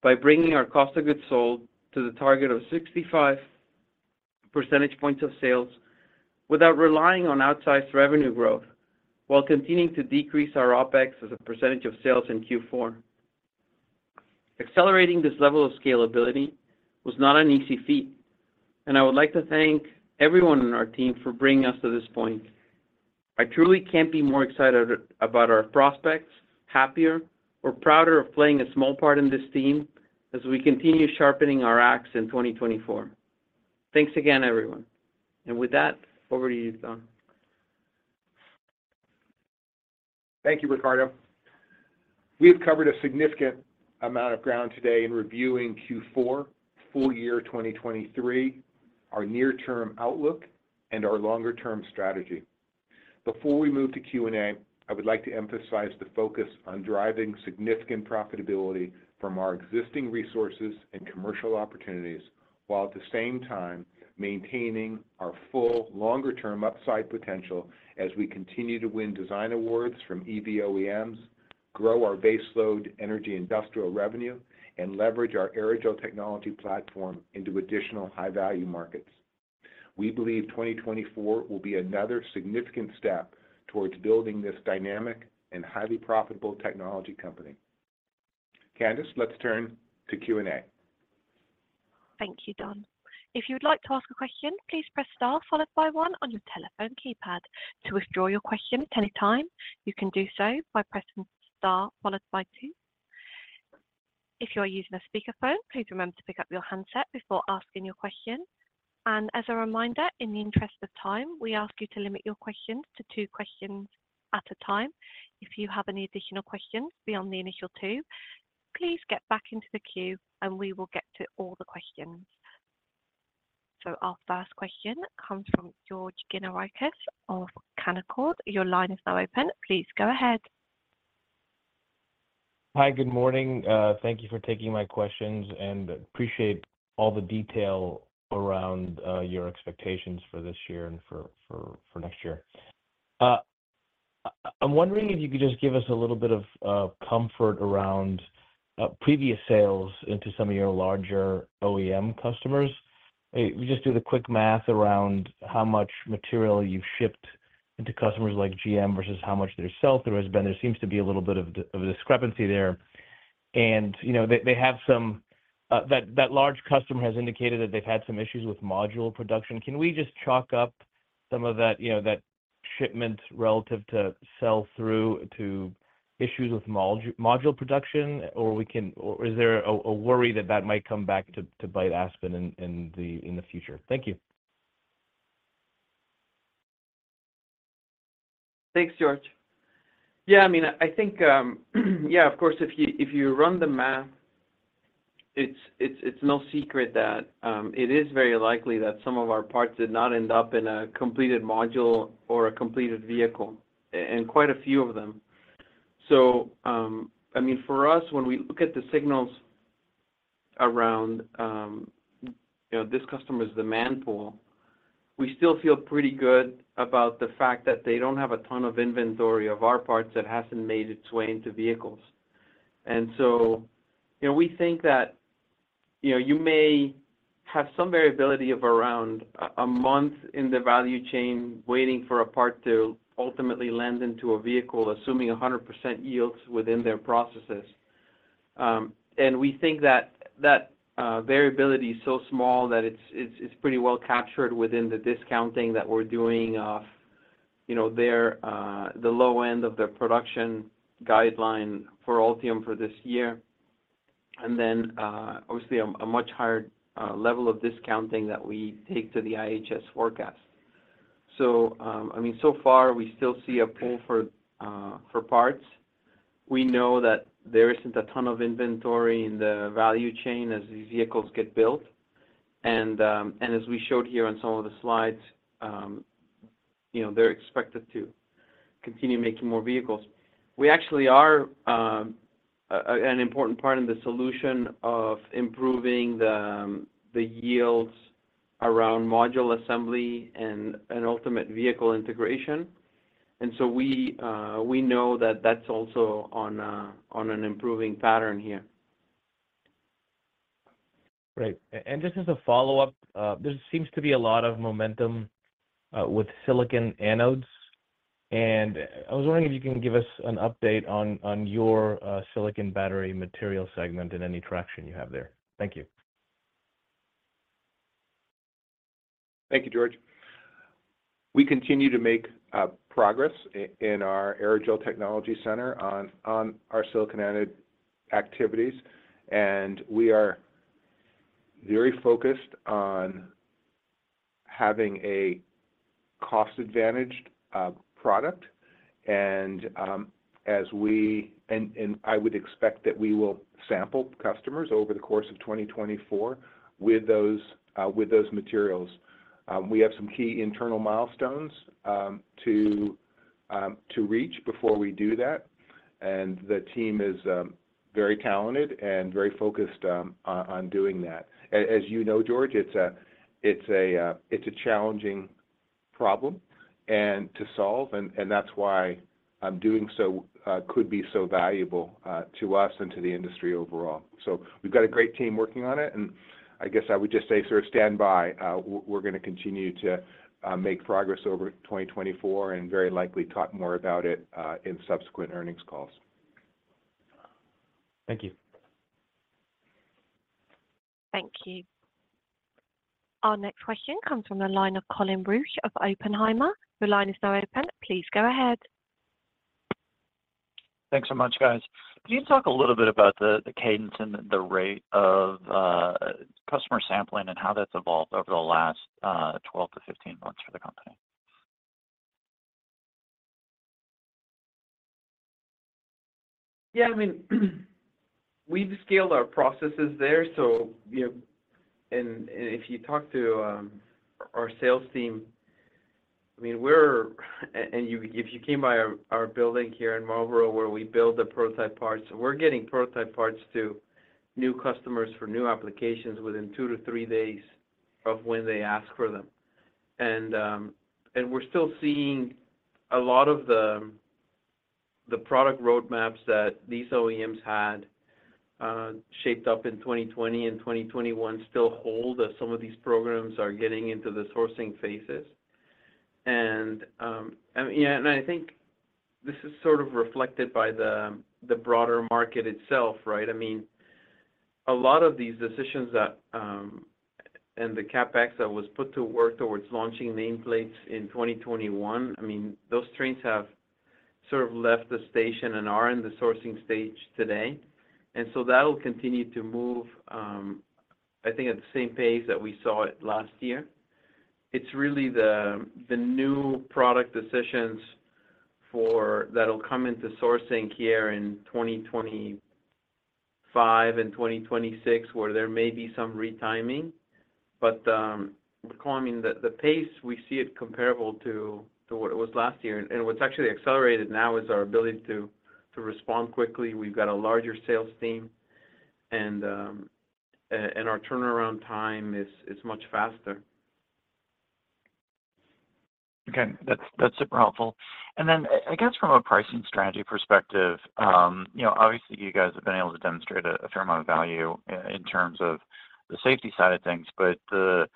by bringing our cost of goods sold to the target of 65 percentage points of sales without relying on outsized revenue growth while continuing to decrease our OpEx as a percentage of sales in Q4. Accelerating this level of scalability was not an easy feat, and I would like to thank everyone on our team for bringing us to this point. I truly can't be more excited about our prospects, happier, or prouder of playing a small part in this team as we continue sharpening our axe in 2024. Thanks again, everyone. With that, over to you, Don. Thank you, Ricardo. We've covered a significant amount of ground today in reviewing Q4, full year 2023, our near-term outlook, and our longer-term strategy. Before we move to Q&A, I would like to emphasize the focus on driving significant profitability from our existing resources and commercial opportunities while at the same time maintaining our full longer-term upside potential as we continue to win design awards from EV OEMs, grow our baseload energy industrial revenue, and leverage our aerogel technology platform into additional high-value markets. We believe 2024 will be another significant step towards building this dynamic and highly profitable technology company. Candace, let's turn to Q&A. Thank you, Don. If you would like to ask a question, please press star followed by one on your telephone keypad to withdraw your question at any time. You can do so by pressing star followed by two. If you are using a speakerphone, please remember to pick up your handset before asking your question. As a reminder, in the interest of time, we ask you to limit your questions to two questions at a time. If you have any additional questions beyond the initial two, please get back into the queue and we will get to all the questions. Our first question comes from George Gianarikas of Canaccord. Your line is now open. Please go ahead Hi, good morning. Thank you for taking my questions, and appreciate all the detail around your expectations for this year and for next year. I'm wondering if you could just give us a little bit of comfort around previous sales into some of your larger OEM customers. Just do the quick math around how much material you've shipped into customers like GM versus how much they're selling. There seems to be a little bit of a discrepancy there. They have some that large customer has indicated that they've had some issues with module production. Can we just chalk up some of that shipment relative to sell through to issues with module production, or is there a worry that that might come back to bite Aspen in the future? Thank you. Thanks, George. Yeah, I mean, I think yeah, of course, if you run the math, it's no secret that it is very likely that some of our parts did not end up in a completed module or a completed vehicle, and quite a few of them. So I mean, for us, when we look at the signals around this customer's demand pool, we still feel pretty good about the fact that they don't have a ton of inventory of our parts that hasn't made its way into vehicles. And so we think that you may have some variability of around a month in the value chain waiting for a part to ultimately land into a vehicle, assuming 100% yields within their processes. We think that variability is so small that it's pretty well captured within the discounting that we're doing of the low end of their production guideline for Ultium for this year, and then obviously a much higher level of discounting that we take to the IHS forecast. So I mean, so far, we still see a pull for parts. We know that there isn't a ton of inventory in the value chain as these vehicles get built, and as we showed here on some of the slides, they're expected to continue making more vehicles. We actually are an important part in the solution of improving the yields around module assembly and ultimate vehicle integration. And so we know that that's also on an improving pattern here. Great. Just as a follow-up, there seems to be a lot of momentum with Silicon Anodes, and I was wondering if you can give us an update on your Silicon battery material segment and any traction you have there. Thank you. Thank you, George. We continue to make progress in our aerogel technology center on our Silicon Anode activities, and we are very focused on having a cost-advantaged product. And I would expect that we will sample customers over the course of 2024 with those materials. We have some key internal milestones to reach before we do that, and the team is very talented and very focused on doing that. As you know, George, it's a challenging problem to solve, and that's why doing so could be so valuable to us and to the industry overall. So we've got a great team working on it, and I guess I would just say sort of stand by. We're going to continue to make progress over 2024 and very likely talk more about it in subsequent earnings calls. Thank you. Thank you. Our next question comes from the line of Colin Rusch of Oppenheimer. Your line is now open. Please go ahead. Thanks so much, guys. Can you talk a little bit about the cadence and the rate of customer sampling and how that's evolved over the last 12-15 months for the company? Yeah, I mean, we've scaled our processes there, and if you talk to our sales team, I mean, we're, and if you came by our building here in Marlborough where we build the prototype parts, we're getting prototype parts to new customers for new applications within 2-3 days of when they ask for them. And we're still seeing a lot of the product roadmaps that these OEMs had shaped up in 2020 and 2021 still hold as some of these programs are getting into the sourcing phases. And I mean, yeah, and I think this is sort of reflected by the broader market itself, right? I mean, a lot of these decisions and the CapEx that was put to work towards launching nameplates in 2021, I mean, those trains have sort of left the station and are in the sourcing stage today. And so that'll continue to move, I think, at the same pace that we saw it last year. It's really the new product decisions that'll come into sourcing here in 2025 and 2026 where there may be some retiming. But I mean, the pace, we see it comparable to what it was last year. And what's actually accelerated now is our ability to respond quickly. We've got a larger sales team, and our turnaround time is much faster. Okay. That's super helpful. And then I guess from a pricing strategy perspective, obviously, you guys have been able to demonstrate a fair amount of value in terms of the safety side of things, but the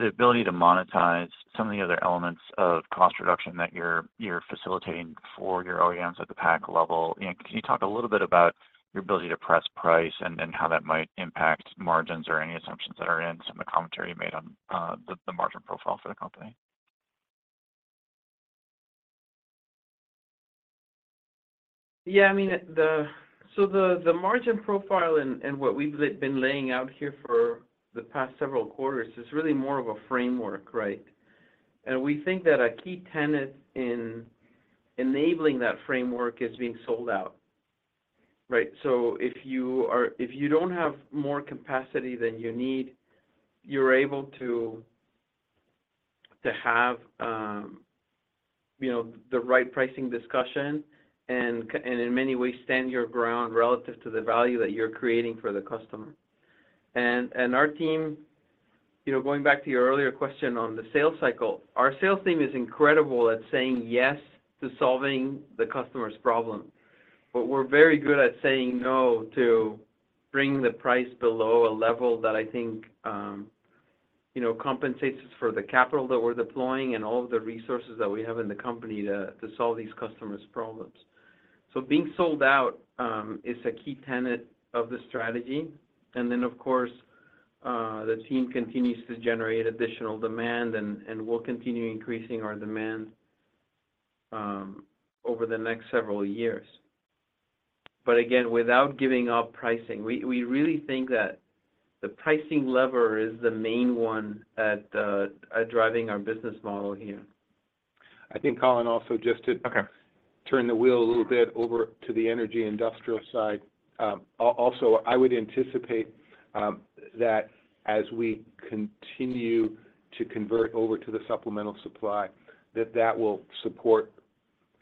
ability to monetize some of the other elements of cost reduction that you're facilitating for your OEMs at the pack level. Can you talk a little bit about your ability to press price and how that might impact margins or any assumptions that are in some commentary you made on the margin profile for the company? Yeah, I mean, so the margin profile and what we've been laying out here for the past several quarters is really more of a framework, right? And we think that a key tenet in enabling that framework is being sold out, right? So if you don't have more capacity than you need, you're able to have the right pricing discussion and in many ways stand your ground relative to the value that you're creating for the customer. Our team, going back to your earlier question on the sales cycle, our sales team is incredible at saying yes to solving the customer's problem, but we're very good at saying no to bringing the price below a level that I think compensates for the capital that we're deploying and all of the resources that we have in the company to solve these customers' problems. Being sold out is a key tenet of the strategy. Of course, the team continues to generate additional demand, and we'll continue increasing our demand over the next several years. But again, without giving up pricing, we really think that the pricing lever is the main one at driving our business model here. I think Colin also just did turn the wheel a little bit over to the energy industrial side. Also, I would anticipate that as we continue to convert over to the supplemental supply, that that will support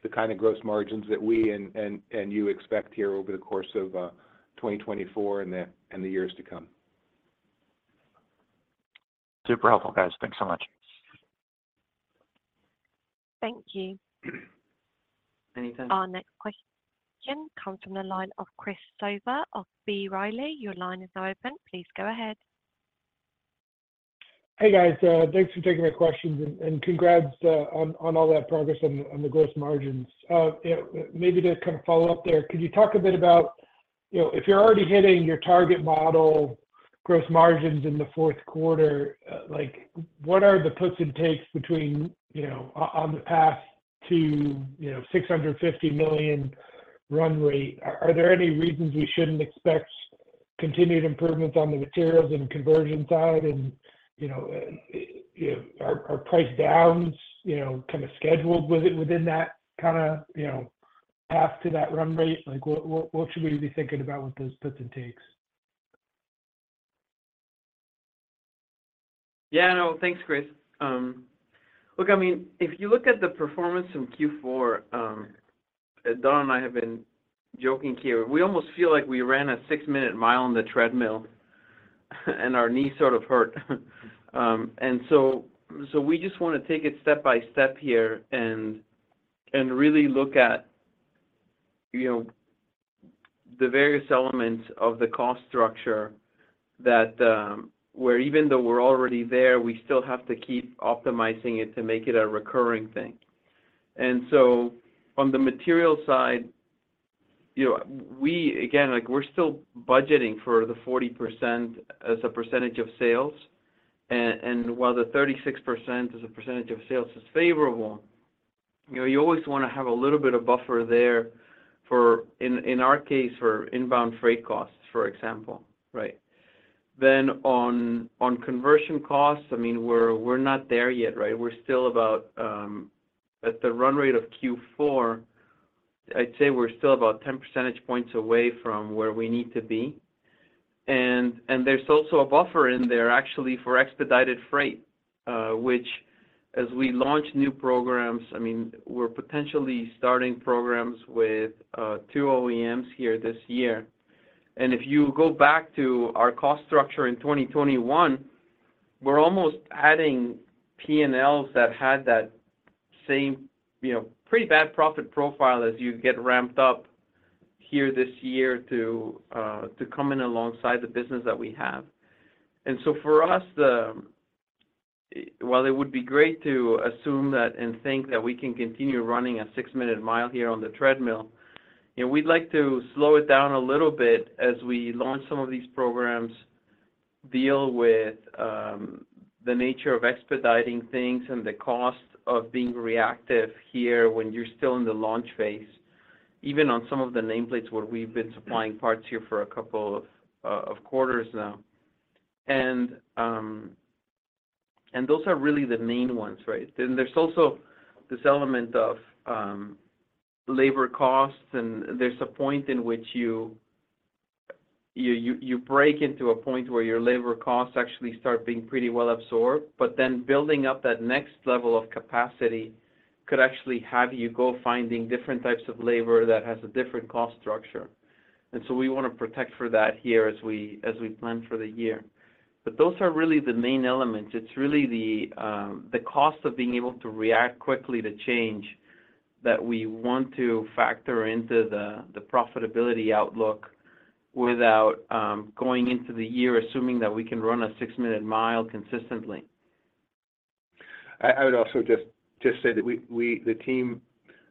the kind of gross margins that we and you expect here over the course of 2024 and the years to come. Super helpful, guys. Thanks so much. Thank you. Anytime. Our next question comes from the line of Chris Souther of B. Riley. Your line is now open. Please go ahead. Hey, guys. Thanks for taking my questions, and congrats on all that progress on the gross margins. Maybe to kind of follow up there, could you talk a bit about if you're already hitting your target model gross margins in the fourth quarter, what are the puts and takes between on the path to $650 million run rate? Are there any reasons we shouldn't expect continued improvements on the materials and conversion side and are price downs kind of scheduled within that kind of path to that run rate? What should we be thinking about with those puts and takes? Yeah, no, thanks, Chris. Look, I mean, if you look at the performance in Q4, Don and I have been joking here. We almost feel like we ran a six-minute mile on the treadmill, and our knees sort of hurt. And so we just want to take it step by step here and really look at the various elements of the cost structure where even though we're already there, we still have to keep optimizing it to make it a recurring thing. And so on the material side, we, again, we're still budgeting for the 40% of sales. While the 36% as a percentage of sales is favorable, you always want to have a little bit of buffer there in our case for inbound freight costs, for example, right? Then on conversion costs, I mean, we're not there yet, right? We're still about at the run rate of Q4, I'd say we're still about 10 percentage points away from where we need to be. And there's also a buffer in there, actually, for expedited freight, which as we launch new programs, I mean, we're potentially starting programs with two OEMs here this year. And if you go back to our cost structure in 2021, we're almost adding P&Ls that had that same pretty bad profit profile as you get ramped up here this year to come in alongside the business that we have. And so for us, while it would be great to assume and think that we can continue running a six-minute mile here on the treadmill, we'd like to slow it down a little bit as we launch some of these programs, deal with the nature of expediting things, and the cost of being reactive here when you're still in the launch phase, even on some of the nameplates where we've been supplying parts here for a couple of quarters now. Those are really the main ones, right? There's also this element of labor costs, and there's a point in which you break into a point where your labor costs actually start being pretty well absorbed, but then building up that next level of capacity could actually have you go finding different types of labor that has a different cost structure. And so we want to protect for that here as we plan for the year. But those are really the main elements. It's really the cost of being able to react quickly to change that we want to factor into the profitability outlook without going into the year assuming that we can run a six-minute mile consistently. I would also just say that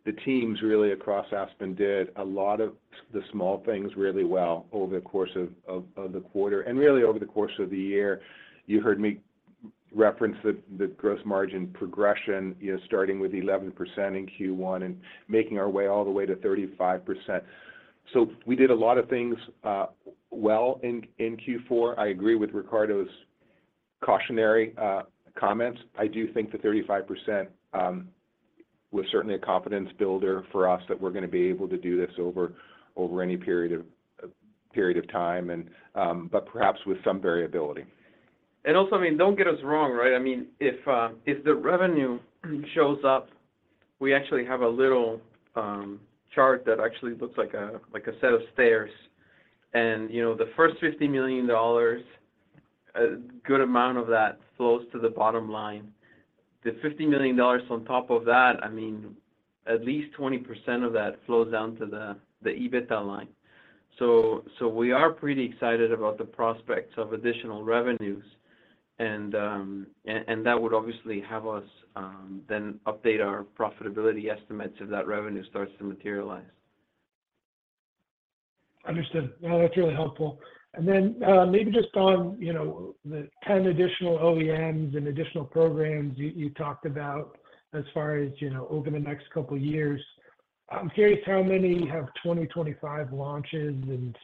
the teams really across Aspen did a lot of the small things really well over the course of the quarter. And really, over the course of the year, you heard me reference the gross margin progression starting with 11% in Q1 and making our way all the way to 35%. So we did a lot of things well in Q4. I agree with Ricardo's cautionary comments. I do think the 35% was certainly a confidence builder for us that we're going to be able to do this over any period of time, but perhaps with some variability. And also, I mean, don't get us wrong, right? I mean, if the revenue shows up, we actually have a little chart that actually looks like a set of stairs. And the first $50 million, a good amount of that flows to the bottom line. The $50 million on top of that, I mean, at least 20% of that flows down to the EBITDA line. So we are pretty excited about the prospects of additional revenues, and that would obviously have us then update our profitability estimates if that revenue starts to materialize. Understood. No, that's really helpful. Then maybe just on the 10 additional OEMs and additional programs you talked about as far as over the next couple of years, I'm curious how many have 2025 launches and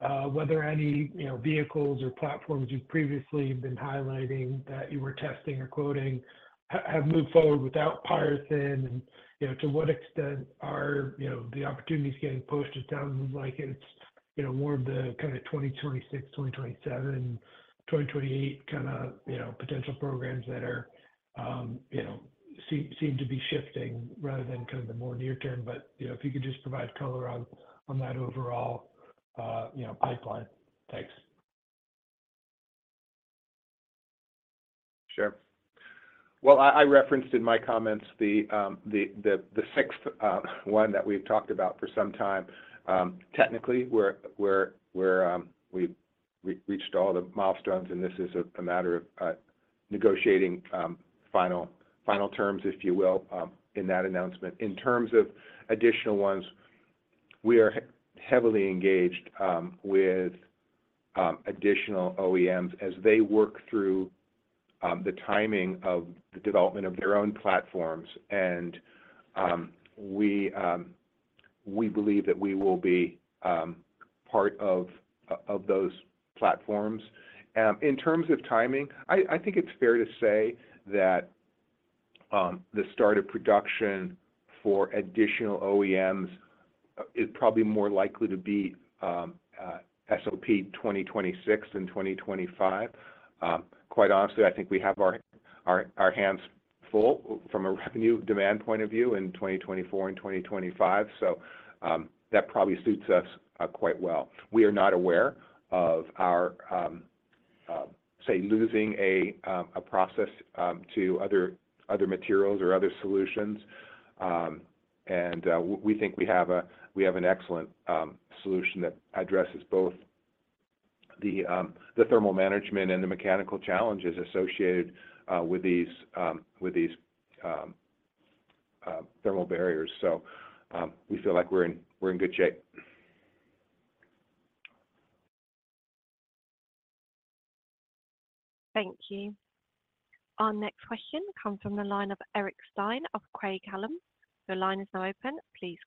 whether any vehicles or platforms you've previously been highlighting that you were testing or quoting have moved forward without PyroThin, and to what extent are the opportunities getting pushed? It sounds like it's more of the kind of 2026, 2027, 2028 kind of potential programs that seem to be shifting rather than kind of the more near-term. But if you could just provide color on that overall pipeline. Thanks. Sure. Well, I referenced in my comments the sixth one that we've talked about for some time. Technically, we've reached all the milestones, and this is a matter of negotiating final terms, if you will, in that announcement. In terms of additional ones, we are heavily engaged with additional OEMs as they work through the timing of the development of their own platforms, and we believe that we will be part of those platforms. In terms of timing, I think it's fair to say that the start of production for additional OEMs is probably more likely to be SOP 2026 than 2025. Quite honestly, I think we have our hands full from a revenue demand point of view in 2024 and 2025, so that probably suits us quite well. We are not aware of our, say, losing a process to other materials or other solutions. And we think we have an excellent solution that addresses both the thermal management and the mechanical challenges associated with these thermal barriers. So we feel like we're in good shape. Thank you. Our next question comes from the line of Eric Stine of Craig-Hallum Capital Group. The line is now open. Please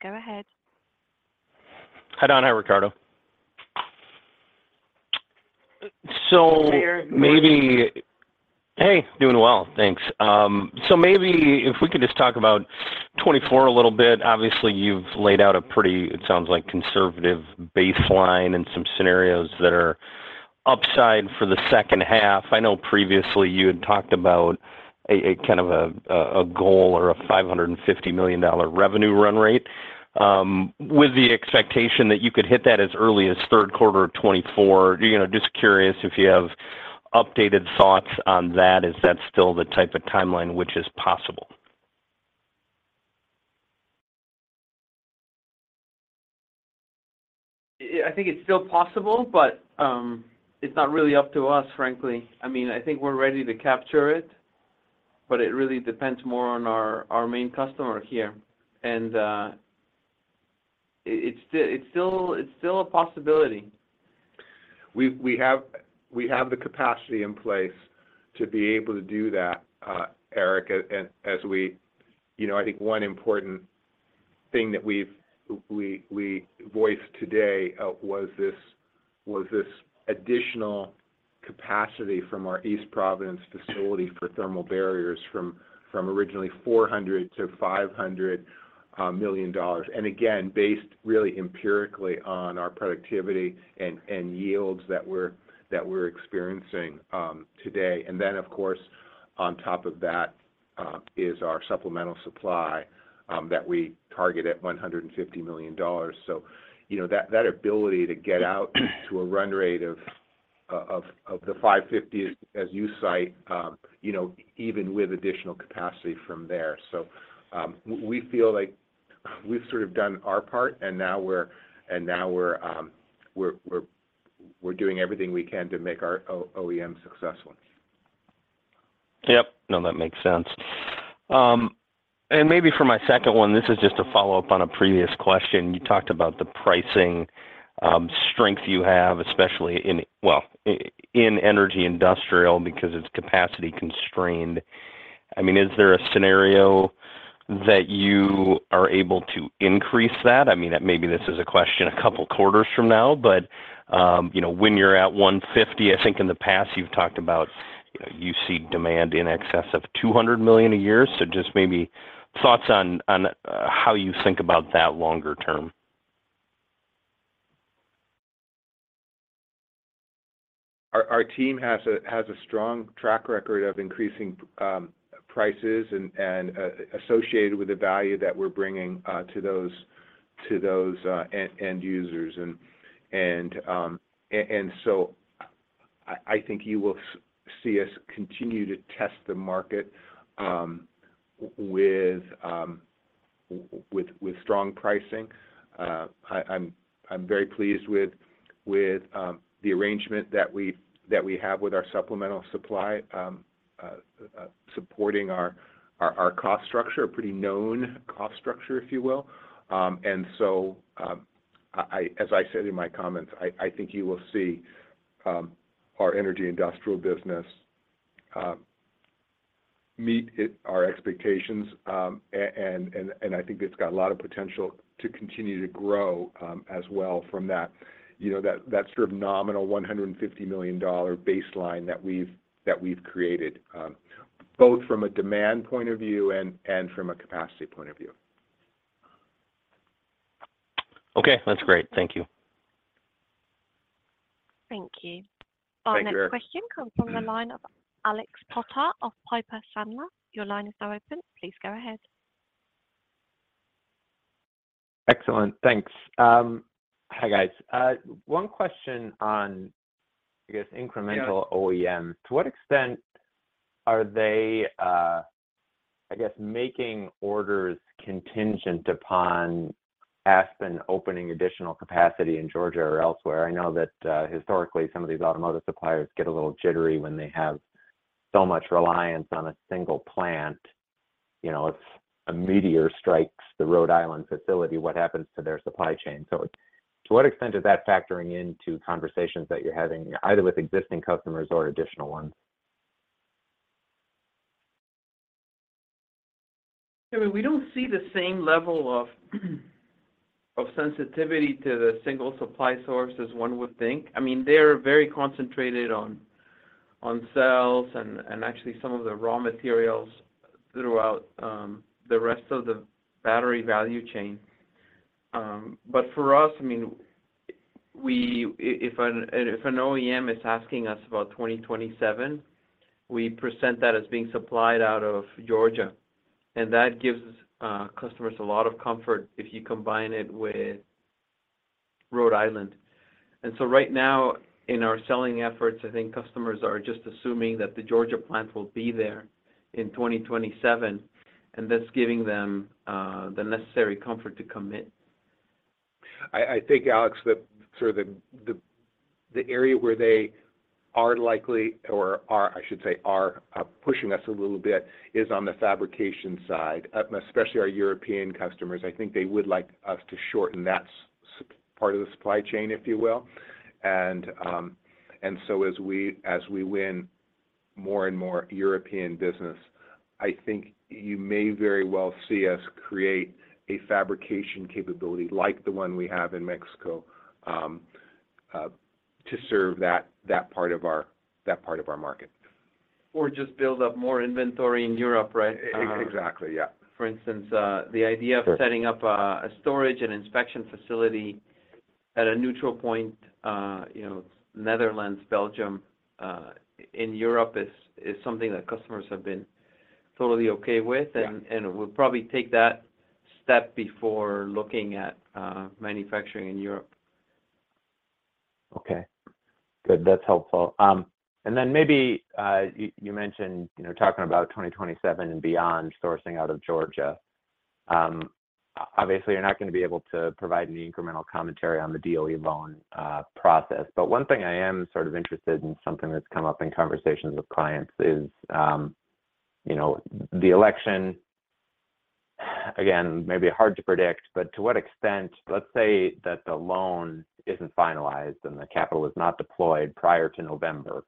go ahead. Hi, Don. Hi, Ricardo. So maybe hey, doing well. Thanks. So maybe if we could just talk about 2024 a little bit. Obviously, you've laid out a pretty, it sounds like, conservative baseline and some scenarios that are upside for the second half. I know previously, you had talked about kind of a goal or a $550 million revenue run rate with the expectation that you could hit that as early as third quarter of 2024. Just curious if you have updated thoughts on that. Is that still the type of timeline which is possible? I think it's still possible, but it's not really up to us, frankly. I mean, I think we're ready to capture it, but it really depends more on our main customer here. It's still a possibility. We have the capacity in place to be able to do that, Eric, as we—I think one important thing that we voiced today was this additional capacity from our East Providence facility for thermal barriers from originally $400 million-$500 million, and again, based really empirically on our productivity and yields that we're experiencing today. And then, of course, on top of that is our supplemental supply that we target at $150 million. So that ability to get out to a run rate of the $550 million, as you cite, even with additional capacity from there. So we feel like we've sort of done our part, and now we're doing everything we can to make our OEM successful. Yep. No, that makes sense. And maybe for my second one, this is just a follow-up on a previous question. You talked about the pricing strength you have, especially in, well, in energy industrial because it's capacity constrained. I mean, is there a scenario that you are able to increase that? I mean, maybe this is a question a couple quarters from now, but when you're at $150 million, I think in the past, you've talked about you see demand in excess of $200 million a year. So just maybe thoughts on how you think about that longer term. Our team has a strong track record of increasing prices associated with the value that we're bringing to those end users. And so I think you will see us continue to test the market with strong pricing. I'm very pleased with the arrangement that we have with our supplemental supply supporting our cost structure, a pretty known cost structure, if you will. And so as I said in my comments, I think you will see our energy industrial business meet our expectations, and I think it's got a lot of potential to continue to grow as well from that sort of nominal $150 million baseline that we've created both from a demand point of view and from a capacity point of view. Okay. That's great. Thank you. Thank you. Our next question comes from the line of Alex Potter of Piper Sandler. Your line is now open. Please go ahead. Excellent. Thanks. Hi, guys. One question on, I guess, incremental OEM. To what extent are they, I guess, making orders contingent upon Aspen opening additional capacity in Georgia or elsewhere? I know that historically, some of these automotive suppliers get a little jittery when they have so much reliance on a single plant. If a meteor strikes the Rhode Island facility, what happens to their supply chain? So to what extent is that factoring into conversations that you're having either with existing customers or additional ones? I mean, we don't see the same level of sensitivity to the single supply source as one would think. I mean, they're very concentrated on cells and actually some of the raw materials throughout the rest of the battery value chain. But for us, I mean, if an OEM is asking us about 2027, we present that as being supplied out of Georgia. And that gives customers a lot of comfort if you combine it with Rhode Island. And so right now, in our selling efforts, I think customers are just assuming that the Georgia plant will be there in 2027, and that's giving them the necessary comfort to commit. I think, Alex, that sort of the area where they are likely or are, I should say, are pushing us a little bit is on the fabrication side, especially our European customers. I think they would like us to shorten that part of the supply chain, if you will. So as we win more and more European business, I think you may very well see us create a fabrication capability like the one we have in Mexico to serve that part of our market. Or just build up more inventory in Europe, right? Exactly. Yeah. For instance, the idea of setting up a storage and inspection facility at a neutral point, Netherlands, Belgium, in Europe is something that customers have been totally okay with, and we'll probably take that step before looking at manufacturing in Europe. Okay. Good. That's helpful. And then maybe you mentioned talking about 2027 and beyond sourcing out of Georgia. Obviously, you're not going to be able to provide any incremental commentary on the DOE loan process. But one thing I am sort of interested in, something that's come up in conversations with clients, is the election. Again, maybe hard to predict, but to what extent let's say that the loan isn't finalized and the capital is not deployed prior to November,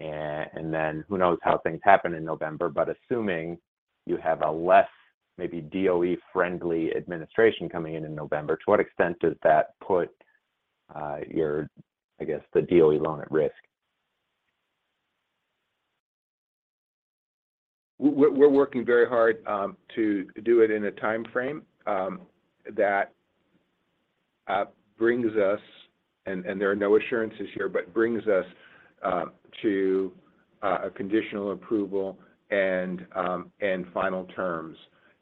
and then who knows how things happen in November. But assuming you have a less maybe DOE-friendly administration coming in in November, to what extent does that put, I guess, the DOE loan at risk? We're working very hard to do it in a timeframe that brings us and there are no assurances here, but brings us to a conditional approval and final terms.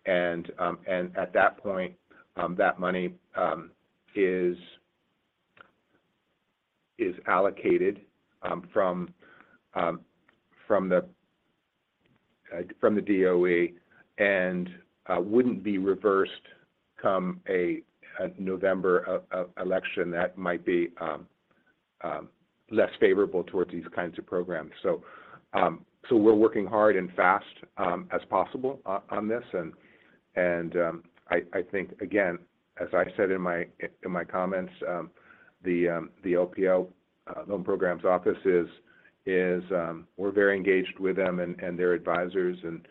At that point, that money is allocated from the DOE and wouldn't be reversed come a November election. That might be less favorable towards these kinds of programs. So we're working hard and fast as possible on this. And I think, again, as I said in my comments, the LPO Loan Programs Office, we're very engaged with them and their advisors. And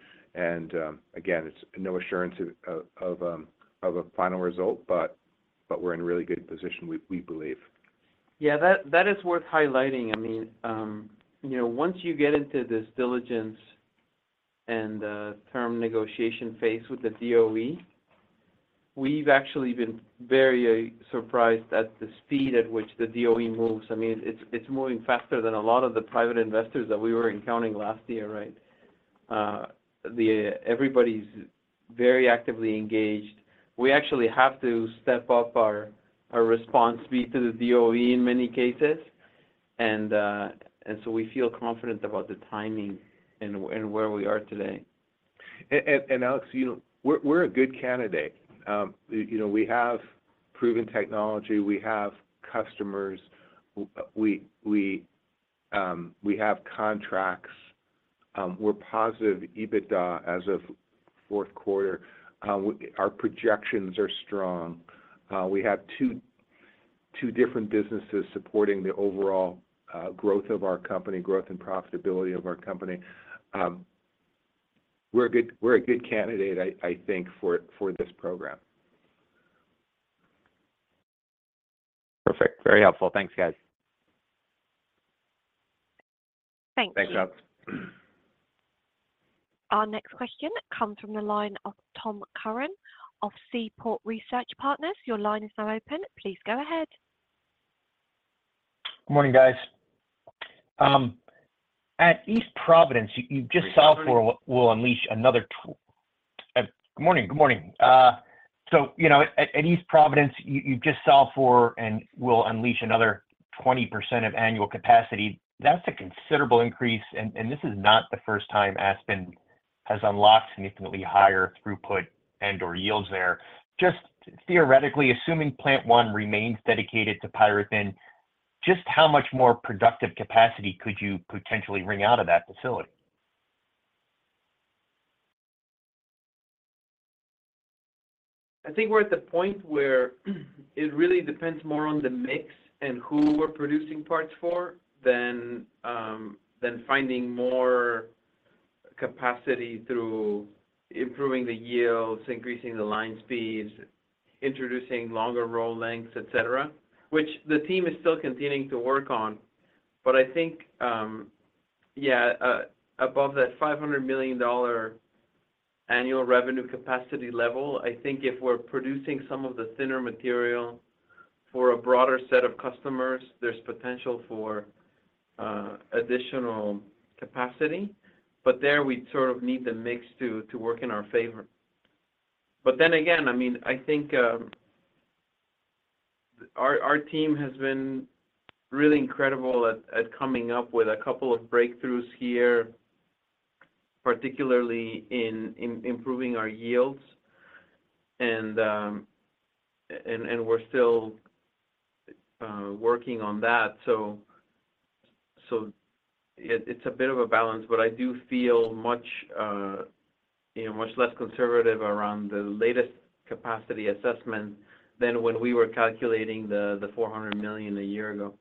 again, it's no assurance of a final result, but we're in really good position, we believe. Yeah. That is worth highlighting. I mean, once you get into this diligence and term negotiation phase with the DOE, we've actually been very surprised at the speed at which the DOE moves. I mean, it's moving faster than a lot of the private investors that we were encountering last year, right? Everybody's very actively engaged. We actually have to step up our response speed to the DOE in many cases, and so we feel confident about the timing and where we are today. And, Alex, we're a good candidate. We have proven technology. We have customers. We have contracts. We're positive EBITDA as of fourth quarter. Our projections are strong. We have two different businesses supporting the overall growth of our company, growth and profitability of our company. We're a good candidate, I think, for this program. Perfect. Very helpful. Thanks, guys. Thanks. Thanks, Alex. Our next question comes from the line of Tom Curran of Seaport Research Partners. Your line is now open. Please go ahead. Good morning, guys. At East Providence, you just saw we'll unleash another good morning. Good morning. So at East Providence, you just saw we'll unleash another 20% of annual capacity. That's a considerable increase, and this is not the first time Aspen has unlocked significantly higher throughput and/or yields there. Just theoretically, assuming Plant One remains dedicated to PyroThin, just how much more productive capacity could you potentially ring out of that facility? I think we're at the point where it really depends more on the mix and who we're producing parts for than finding more capacity through improving the yields, increasing the line speeds, introducing longer roll lengths, etc., which the team is still continuing to work on. But I think, yeah, above that $500 million annual revenue capacity level, I think if we're producing some of the thinner material for a broader set of customers, there's potential for additional capacity. But there, we'd sort of need the mix to work in our favor. But then again, I mean, I think our team has been really incredible at coming up with a couple of breakthroughs here, particularly in improving our yields, and we're still working on that. So it's a bit of a balance, but I do feel much less conservative around the latest capacity assessment than when we were calculating the $400 million a year ago.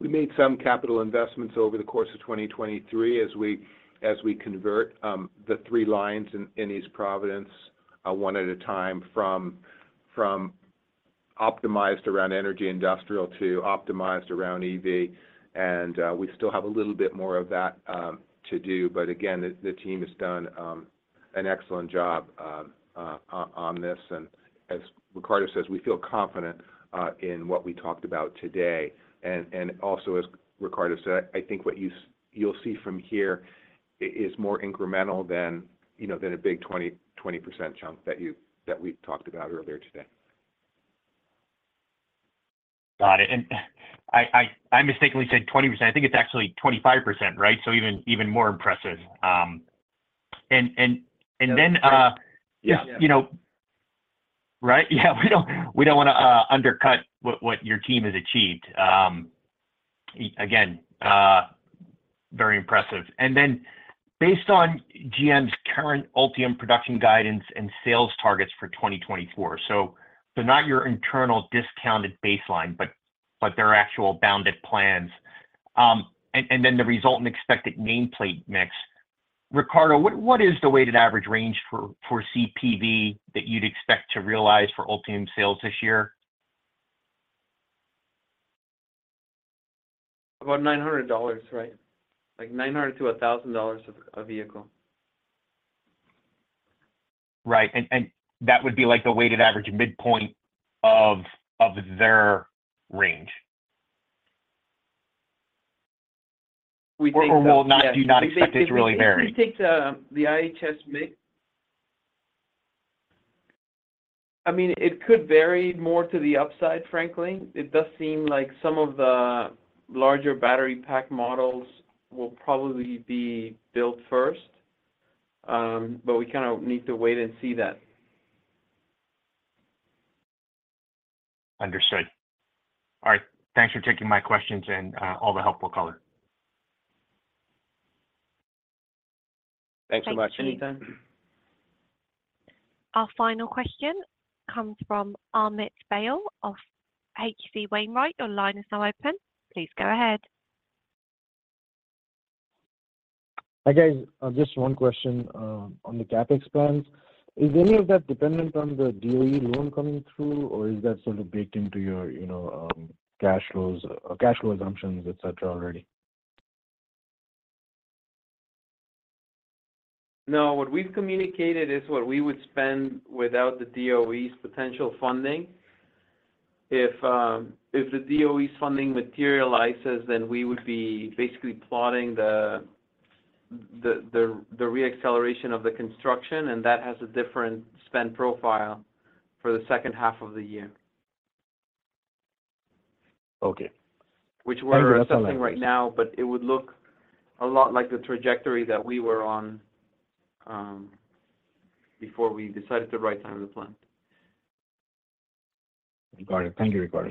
We made some capital investments over the course of 2023 as we convert the three lines in East Providence one at a time from optimized around energy industrial to optimized around EV, and we still have a little bit more of that to do. But again, the team has done an excellent job on this. And as Ricardo says, we feel confident in what we talked about today. And also, as Ricardo said, I think what you'll see from here is more incremental than a big 20% chunk that we talked about earlier today. Got it. And I mistakenly said 20%. I think it's actually 25%, right? So even more impressive. And then, yeah, right? Yeah. We don't want to undercut what your team has achieved. Again, very impressive. And then based on GM's current Ultium production guidance and sales targets for 2024, so they're not your internal discounted baseline, but their actual bounded plans, and then the resultant expected nameplate mix, Ricardo, what is the weighted average range for CPV that you'd expect to realize for Ultium sales this year? About $900, right? Like $900-$1,000 a vehicle. Right. And that would be the weighted average midpoint of their range? Or do you not expect it to really vary? If you take the IHS mix, I mean, it could vary more to the upside, frankly. It does seem like some of the larger battery pack models will probably be built first, but we kind of need to wait and see that. Understood. All right. Thanks for taking my questions and all the helpful color. Thanks so much. Thanks. Thanks for your time. Our final question comes from Amit Dayal of H.C. Wainwright. Your line is now open. Please go ahead. Hi, guys. Just one question on the CapEx plans. Is any of that dependent on the DOE loan coming through, or is that sort of baked into your cash flows, cash flow assumptions, etc., already? No. What we've communicated is what we would spend without the DOE's potential funding. If the DOE's funding materializes, then we would be basically plotting the reacceleration of the construction, and that has a different spend profile for the second half of the year, which we're assessing right now, but it would look a lot like the trajectory that we were on before we decided to write down the plan. Got it. Thank you, Ricardo.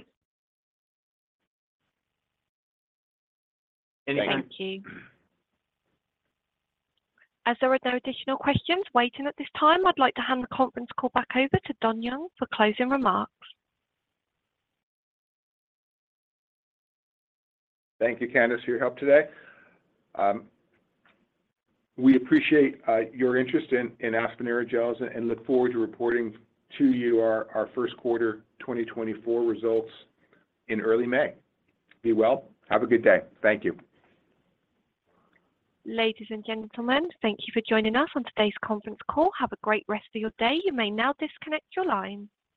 Anything? Thank you. As there were no additional questions waiting at this time, I'd like to hand the conference call back over to Don Young for closing remarks. Thank you, Candace, for your help today. We appreciate your interest in Aspen Aerogels and look forward to reporting to you our first quarter 2024 results in early May. Be well. Have a good day. Thank you. Ladies and gentlemen, thank you for joining us on today's conference call. Have a great rest of your day. You may now disconnect your line.